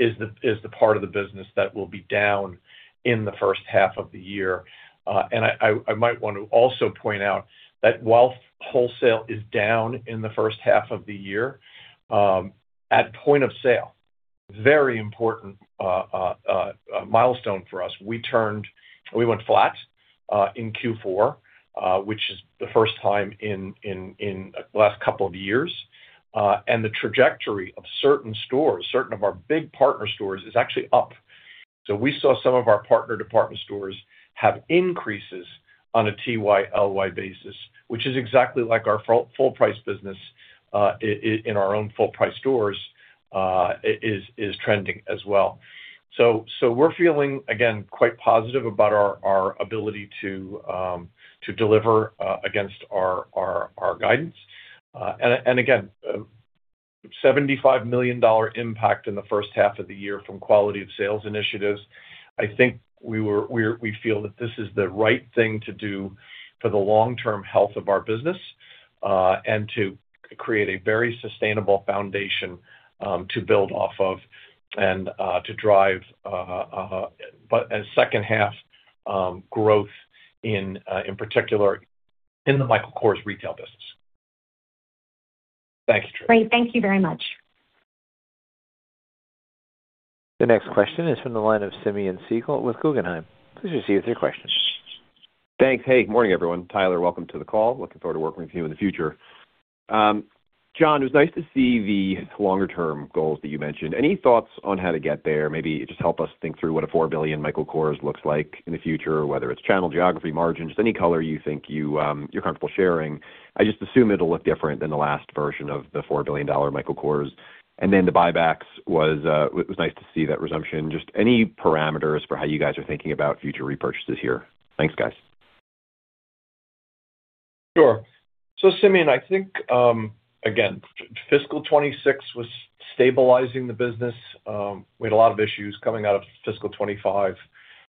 C: is the part of the business that will be down in the first half of the year. I might want to also point out that while wholesale is down in the first half of the year, at point of sale, very important milestone for us, we went flat in Q4, which is the first time in the last couple of years. The trajectory of certain stores, certain of our big partner stores, is actually up. We saw some of our partner department stores have increases on a TYLY basis, which is exactly like our full-price business in our own full-price stores is trending as well. We're feeling, again, quite positive about our ability to deliver against our guidance. Again, $75 million impact in the first half of the year from quality of sales initiatives. I think we feel that this is the right thing to do for the long-term health of our business, and to create a very sustainable foundation to build off of and to drive a second half growth in particular in the Michael Kors retail business. Thanks, Tracy.
H: Great. Thank you very much.
A: The next question is from the line of Simeon Siegel with Guggenheim. Please proceed with your question.
I: Thanks. Hey, good morning, everyone. Tyler, welcome to the call. Looking forward to working with you in the future. John, it was nice to see the longer-term goals that you mentioned. Any thoughts on how to get there? Maybe just help us think through what a $4 billion Michael Kors looks like in the future, whether it's channel geography margins, just any color you think you're comfortable sharing. I just assume it'll look different than the last version of the $4 billion Michael Kors. The buybacks, it was nice to see that resumption. Just any parameters for how you guys are thinking about future repurchases here. Thanks, guys.
C: Sure. Simeon, I think, again, fiscal 2026 was stabilizing the business. We had a lot of issues coming out of fiscal 2025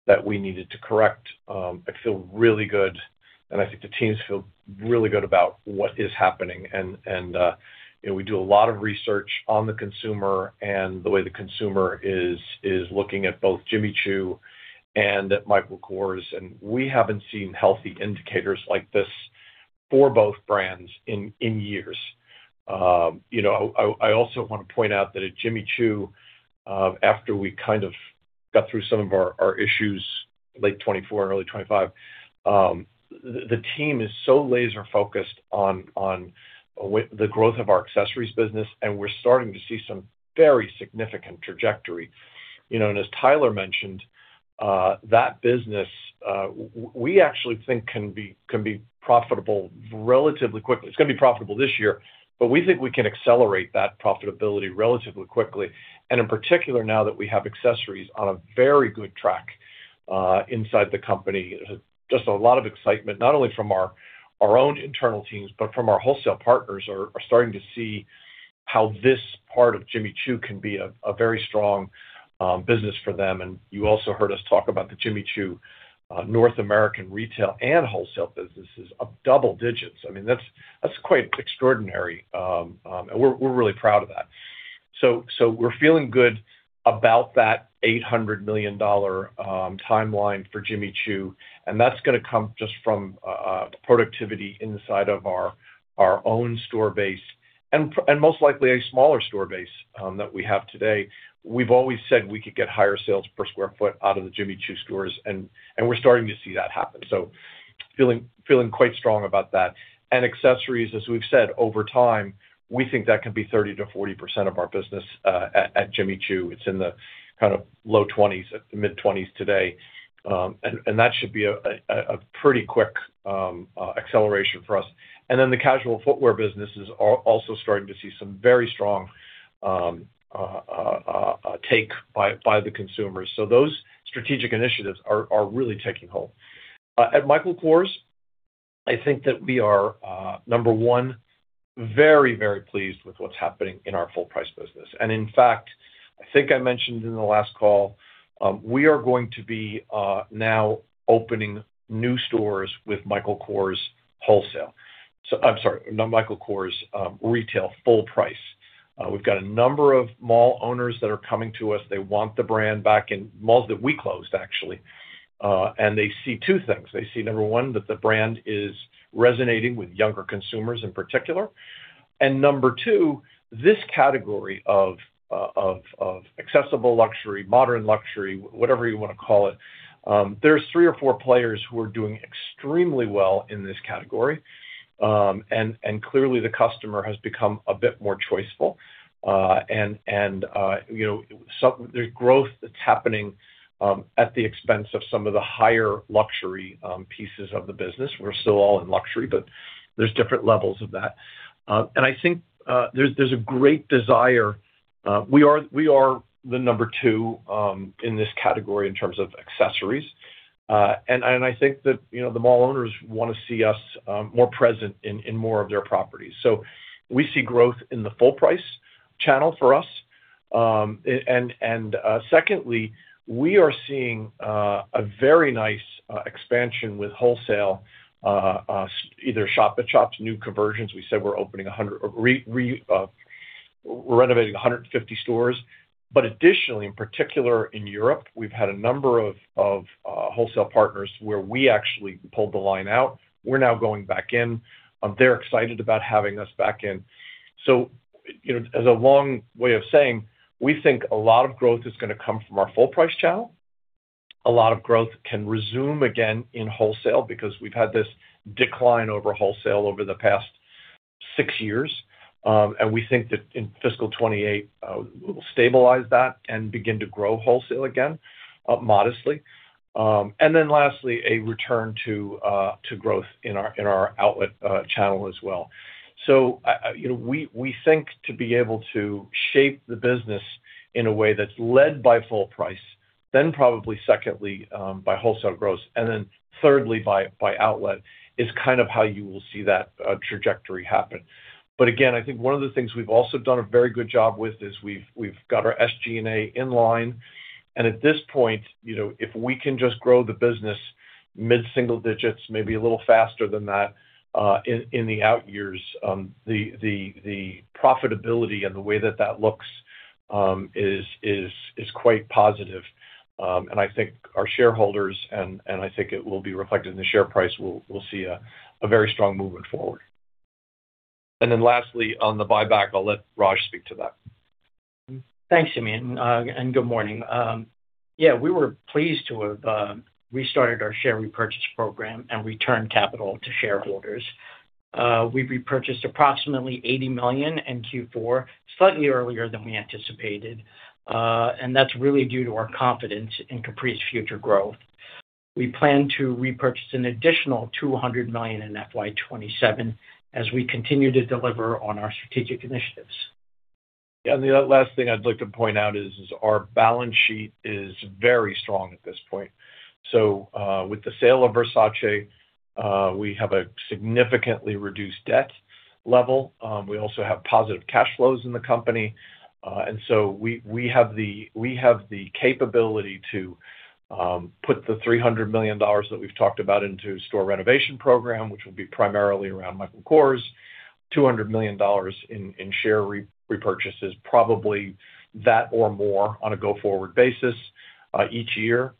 C: that we needed to correct. I feel really good, and I think the teams feel really good about what is happening. We do a lot of research on the consumer and the way the consumer is looking at both Jimmy Choo and at Michael Kors, and we haven't seen healthy indicators like this for both brands in years. I also want to point out that at Jimmy Choo, after we got through some of our issues late 2024, early 2025, the team is so laser-focused on the growth of our accessories business, and we're starting to see some very significant trajectory. As Tyler mentioned, that business, we actually think can be profitable relatively quickly. It's going to be profitable this year. We think we can accelerate that profitability relatively quickly. In particular, now that we have accessories on a very good track inside the company. Just a lot of excitement, not only from our own internal teams, but from our wholesale partners are starting to see how this part of Jimmy Choo can be a very strong business for them. You also heard us talk about the Jimmy Choo North American retail and wholesale businesses of double digits. That's quite extraordinary. We're really proud of that. We're feeling good about that $800 million timeline for Jimmy Choo. That's going to come just from productivity inside of our own store base and most likely a smaller store base that we have today. We've always said we could get higher sales per square foot out of the Jimmy Choo stores, and we're starting to see that happen. Feeling quite strong about that. Accessories, as we've said over time, we think that can be 30%-40% of our business at Jimmy Choo. It's in the low 20s%, mid-20s% today. That should be a pretty quick acceleration for us. The casual footwear business is also starting to see some very strong take by the consumers. Those strategic initiatives are really taking hold. At Michael Kors, I think that we are number one, very, very pleased with what's happening in our full-price business. In fact, I think I mentioned in the last call, we are going to be now opening new stores with Michael Kors wholesale. I'm sorry, not Michael Kors, retail full price. We've got a number of mall owners that are coming to us. They want the brand back in malls that we closed, actually. They see two things. They see, number one, that the brand is resonating with younger consumers in particular. Number two, this category of accessible luxury, modern luxury, whatever you want to call it, there's three or four players who are doing extremely well in this category. Clearly the customer has become a bit more choiceful. There's growth that's happening at the expense of some of the higher luxury pieces of the business. We're still all in luxury, but there's different levels of that. I think there's a great desire. We are the number two in this category in terms of accessories. I think that the mall owners want to see us more present in more of their properties. We see growth in the full price channel for us. Secondly, we are seeing a very nice expansion with wholesale, either shop-at-shops, new conversions. We said we're renovating 150 stores. Additionally, in particular in Europe, we've had a number of wholesale partners where we actually pulled the line out. We're now going back in. They're excited about having us back in. As a long way of saying, we think a lot of growth is going to come from our full price channel. A lot of growth can resume again in wholesale because we've had this decline over wholesale over the past six years. We think that in fiscal 2028, we'll stabilize that and begin to grow wholesale again, modestly. Then lastly, a return to growth in our outlet channel as well. We think to be able to shape the business in a way that's led by full price, then probably secondly, by wholesale growth, and then thirdly by outlet, is how you will see that trajectory happen. Again, I think one of the things we've also done a very good job with is we've got our SG&A in line. At this point, if we can just grow the business mid-single digits, maybe a little faster than that, in the out years, the profitability and the way that that looks is quite positive. I think our shareholders, and I think it will be reflected in the share price, will see a very strong movement forward. Then lastly, on the buyback, I'll let Raj speak to that.
E: Thanks, Simeon, and good morning. We were pleased to have restarted our share repurchase program and returned capital to shareholders. We repurchased approximately $80 million in Q4, slightly earlier than we anticipated. That's really due to our confidence in Capri's future growth. We plan to repurchase an additional $200 million in FY 2027 as we continue to deliver on our strategic initiatives.
C: Yeah. The last thing I'd like to point out is our balance sheet is very strong at this point. With the sale of Versace, we have a significantly reduced debt level. We also have positive cash flows in the company. We have the capability to put the $300 million that we've talked about into a store renovation program, which will be primarily around Michael Kors, $200 million in share repurchases, probably that or more on a go-forward basis each year.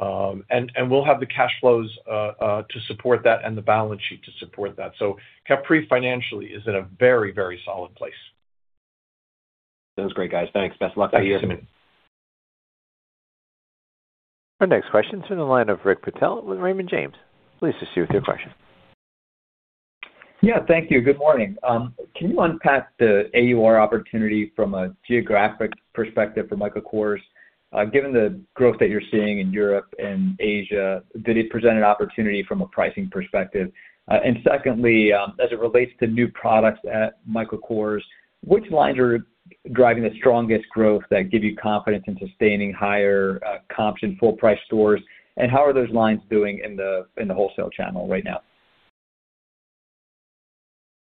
C: We'll have the cash flows to support that and the balance sheet to support that. Capri financially is in a very, very solid place.
I: That was great, guys. Thanks. Best of luck to you.
C: Thank you, Simeon.
A: Our next question is in the line of Rick Patel with Raymond James. Please proceed with your question.
J: Yeah, thank you. Good morning. Can you unpack the AUR opportunity from a geographic perspective for Michael Kors? Given the growth that you're seeing in Europe and Asia, did it present an opportunity from a pricing perspective? Secondly, as it relates to new products at Michael Kors, which lines are driving the strongest growth that give you confidence in sustaining higher comp than full price stores? How are those lines doing in the wholesale channel right now?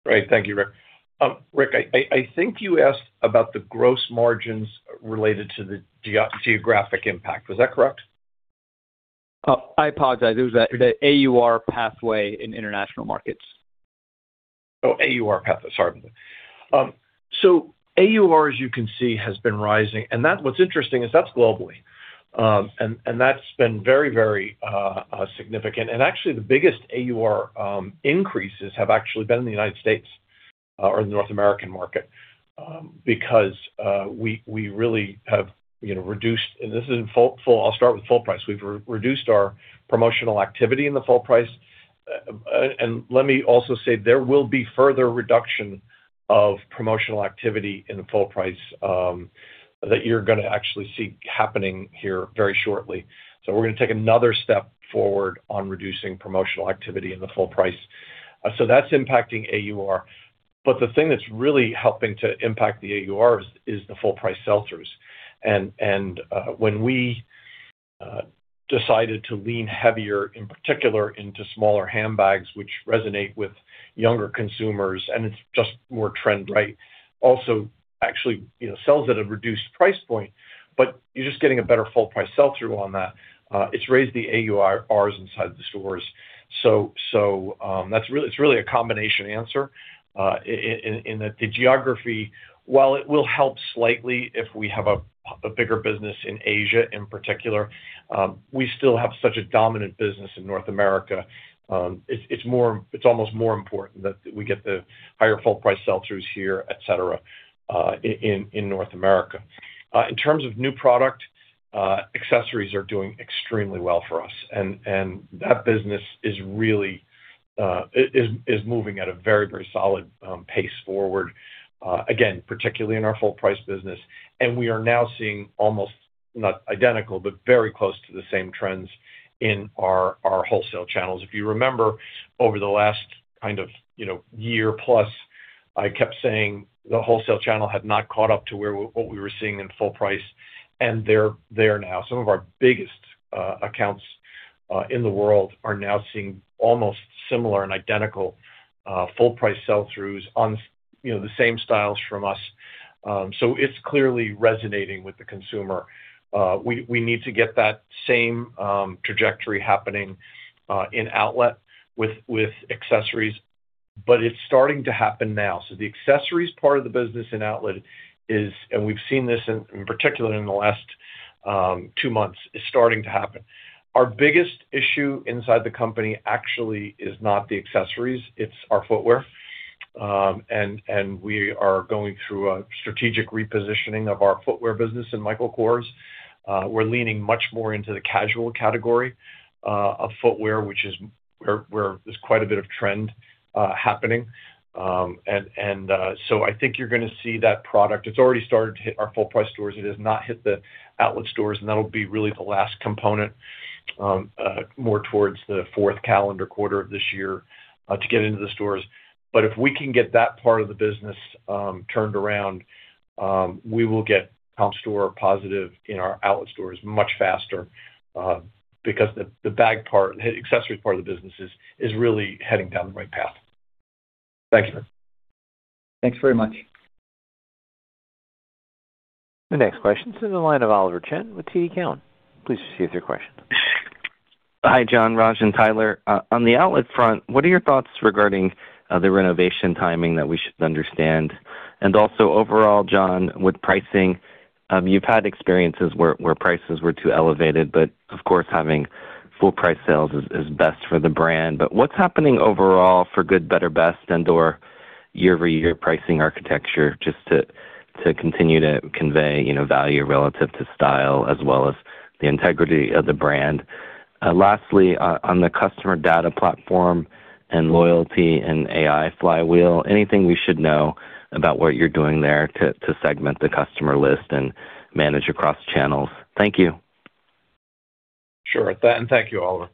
C: Great. Thank you, Rick. Rick, I think you asked about the gross margins related to the geographic impact. Was that correct?
J: Oh, I apologize. It was the AUR pathway in international markets.
C: Oh, AUR pathway. Sorry about that. AUR, as you can see, has been rising. What's interesting is that's globally. That's been very significant. Actually, the biggest AUR increases have actually been in the U.S., or the North American market because we really have reduced, and I'll start with full price. We've reduced our promotional activity in the full price. Let me also say, there will be further reduction of promotional activity in the full price that you're going to actually see happening here very shortly. We're going to take another step forward on reducing promotional activity in the full price. That's impacting AUR. The thing that's really helping to impact the AUR is the full price sell-throughs. When we decided to lean heavier, in particular, into smaller handbags, which resonate with younger consumers, and it's just more trend-right. Also actually sells at a reduced price point, but you're just getting a better full price sell-through on that. It's raised the AURs inside the stores. It's really a combination answer in that the geography, while it will help slightly if we have a bigger business in Asia in particular, we still have such a dominant business in North America. It's almost more important that we get the higher full price sell-throughs here, et cetera, in North America. In terms of new product, accessories are doing extremely well for us, and that business is moving at a very solid pace forward. Again, particularly in our full price business. We are now seeing almost, not identical, but very close to the same trends in our wholesale channels. If you remember, over the last year plus, I kept saying the wholesale channel had not caught up to what we were seeing in full price, and they're there now. Some of our biggest accounts in the world are now seeing almost similar and identical full price sell-throughs on the same styles from us. It's clearly resonating with the consumer. We need to get that same trajectory happening in outlet with accessories, but it's starting to happen now. The accessories part of the business and outlet is, and we've seen this in particular in the last two months, is starting to happen. Our biggest issue inside the company actually is not the accessories, it's our footwear. We are going through a strategic repositioning of our footwear business in Michael Kors. We're leaning much more into the casual category of footwear, which is where there's quite a bit of trend happening. I think you're going to see that product. It's already started to hit our full price stores. It has not hit the outlet stores, and that'll be really the last component, more towards the fourth calendar quarter of this year to get into the stores. If we can get that part of the business turned around, we will get comp store positive in our outlet stores much faster, because the accessories part of the business is really heading down the right path. Thank you.
J: Thanks very much.
A: The next question is in the line of Oliver Chen with TD Cowen. Please proceed with your question.
K: Hi, John, Raj, and Tyler. On the outlet front, what are your thoughts regarding the renovation timing that we should understand? Also overall, John, with pricing, you've had experiences where prices were too elevated, but of course, having full price sales is best for the brand. What's happening overall for good, better, best, and/or year-over-year pricing architecture, just to continue to convey value relative to style as well as the integrity of the brand. Lastly, on the customer data platform and loyalty and AI flywheel, anything we should know about what you're doing there to segment the customer list and manage across channels? Thank you.
C: Sure. Thank you, Oliver.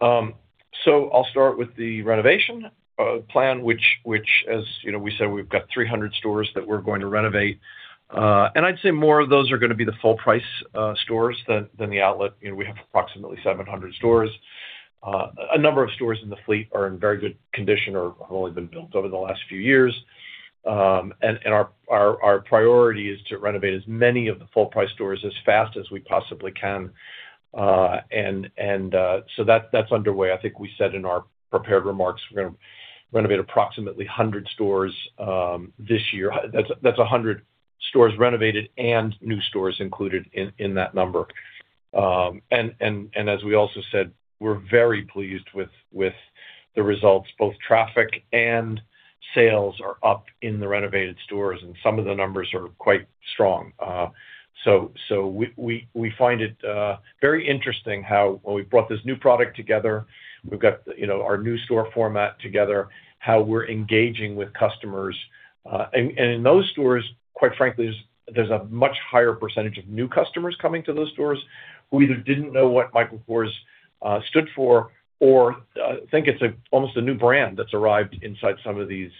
C: I'll start with the renovation plan, which as you know, we said we've got 300 stores that we're going to renovate. I'd say more of those are going to be the full price stores than the outlet. We have approximately 700 stores. A number of stores in the fleet are in very good condition or have only been built over the last few years. Our priority is to renovate as many of the full price stores as fast as we possibly can. That's underway. I think we said in our prepared remarks, we're going to renovate approximately 100 stores this year. That's 100 stores renovated and new stores included in that number. As we also said, we're very pleased with the results. Both traffic and sales are up in the renovated stores, and some of the numbers are quite strong. We find it very interesting how when we brought this new product together, we've got our new store format together, how we're engaging with customers. In those stores, quite frankly, there's a much higher percent of new customers coming to those stores who either didn't know what Michael Kors stood for or think it's almost a new brand that's arrived inside some of these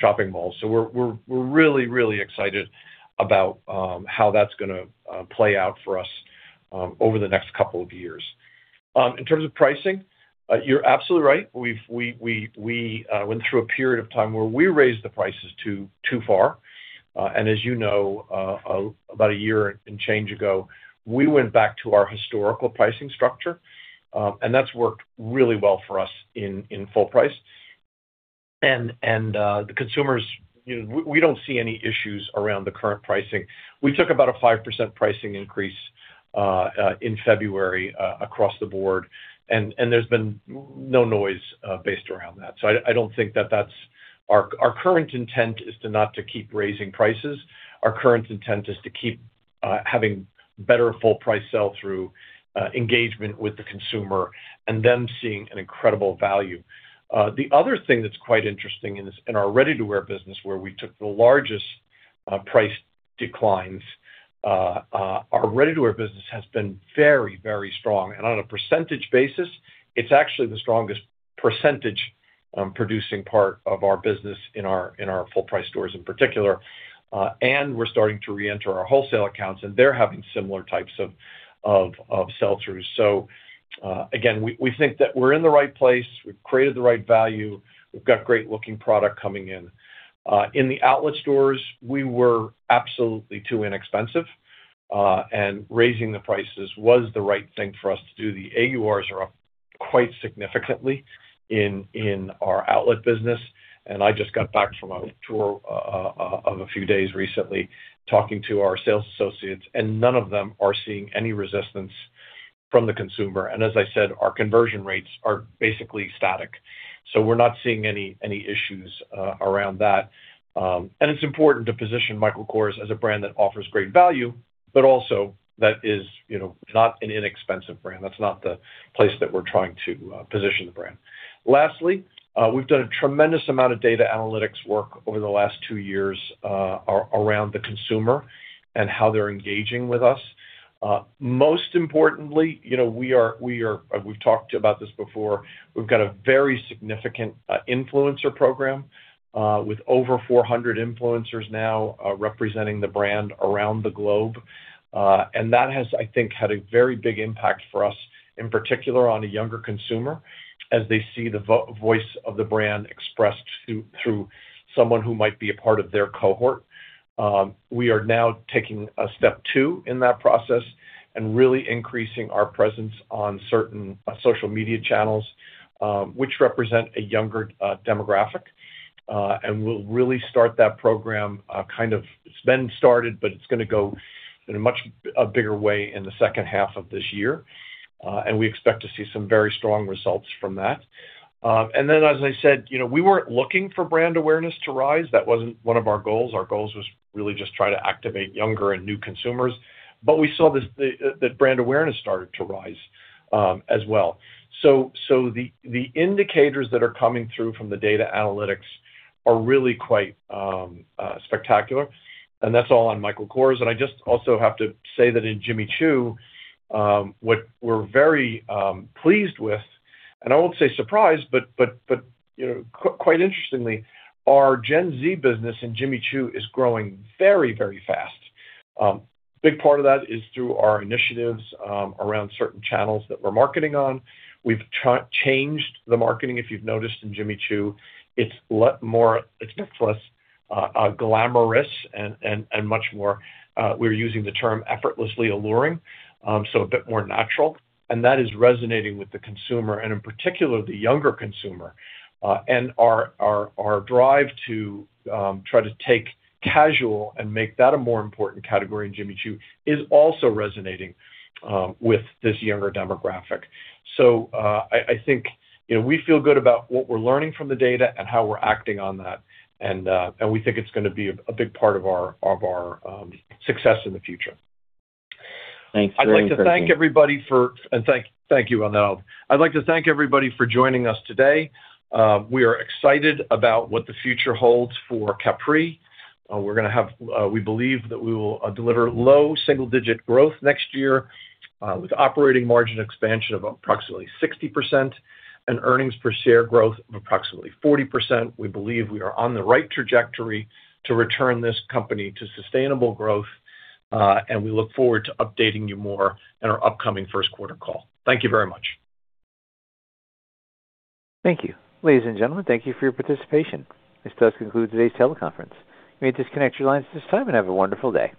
C: shopping malls. We're really excited about how that's going to play out for us over the next couple of years. In terms of pricing, you're absolutely right. We went through a period of time where we raised the prices too far. As you know, about a year and change ago, we went back to our historical pricing structure, and that's worked really well for us in full price. The consumers, we don't see any issues around the current pricing. We took about a 5% pricing increase in February across the board, there's been no noise based around that. Our current intent is not to keep raising prices. Our current intent is to keep having better full price sell-through engagement with the consumer and them seeing an incredible value. The other thing that's quite interesting in our ready-to-wear business, where we took the largest price declines, our ready-to-wear business has been very strong. On a percentage basis, it's actually the strongest percentage producing part of our business in our full price stores in particular. We're starting to reenter our wholesale accounts, and they're having similar types of sell-throughs. Again, we think that we're in the right place, we've created the right value, we've got great looking product coming in. In the outlet stores, we were absolutely too inexpensive, and raising the prices was the right thing for us to do. The AURs are up quite significantly in our outlet business. I just got back from a tour of a few days recently talking to our sales associates, and none of them are seeing any resistance from the consumer. As I said, our conversion rates are basically static. We're not seeing any issues around that. It's important to position Michael Kors as a brand that offers great value, but also that is not an inexpensive brand. That's not the place that we're trying to position the brand. Lastly, we've done a tremendous amount of data analytics work over the last two years around the consumer and how they're engaging with us. Most importantly, we've talked about this before, we've got a very significant influencer program, with over 400 influencers now representing the brand around the globe. That has, I think, had a very big impact for us, in particular on a younger consumer, as they see the voice of the brand expressed through someone who might be a part of their cohort. We are now taking a step two in that process and really increasing our presence on certain social media channels, which represent a younger demographic. We'll really start that program, it's been started, but it's going to go in a much bigger way in the second half of this year. We expect to see some very strong results from that. As I said, we weren't looking for brand awareness to rise. That wasn't one of our goals. Our goals was really just try to activate younger and new consumers. We saw that brand awareness started to rise as well. The indicators that are coming through from the data analytics are really quite spectacular, and that's all on Michael Kors. I just also have to say that in Jimmy Choo, what we're very pleased with, and I won't say surprised, but quite interestingly, our Gen Z business in Jimmy Choo is growing very, very fast. A big part of that is through our initiatives around certain channels that we're marketing on. We've changed the marketing, if you've noticed, in Jimmy Choo. It's much less glamorous and much more, we're using the term effortlessly alluring. A bit more natural, and that is resonating with the consumer, and in particular, the younger consumer. Our drive to try to take casual and make that a more important category in Jimmy Choo is also resonating with this younger demographic. I think we feel good about what we're learning from the data and how we're acting on that. We think it's going to be a big part of our success in the future.
K: Thanks very much.
C: I'd like to thank everybody and thank you, Ronald. I'd like to thank everybody for joining us today. We are excited about what the future holds for Capri. We believe that we will deliver low single-digit growth next year with operating margin expansion of approximately 60% and earnings per share growth of approximately 40%. We believe we are on the right trajectory to return this company to sustainable growth, and we look forward to updating you more in our upcoming first quarter call. Thank you very much.
A: Thank you. Ladies and gentlemen, thank you for your participation. This does conclude today's teleconference. You may disconnect your lines at this time, and have a wonderful day.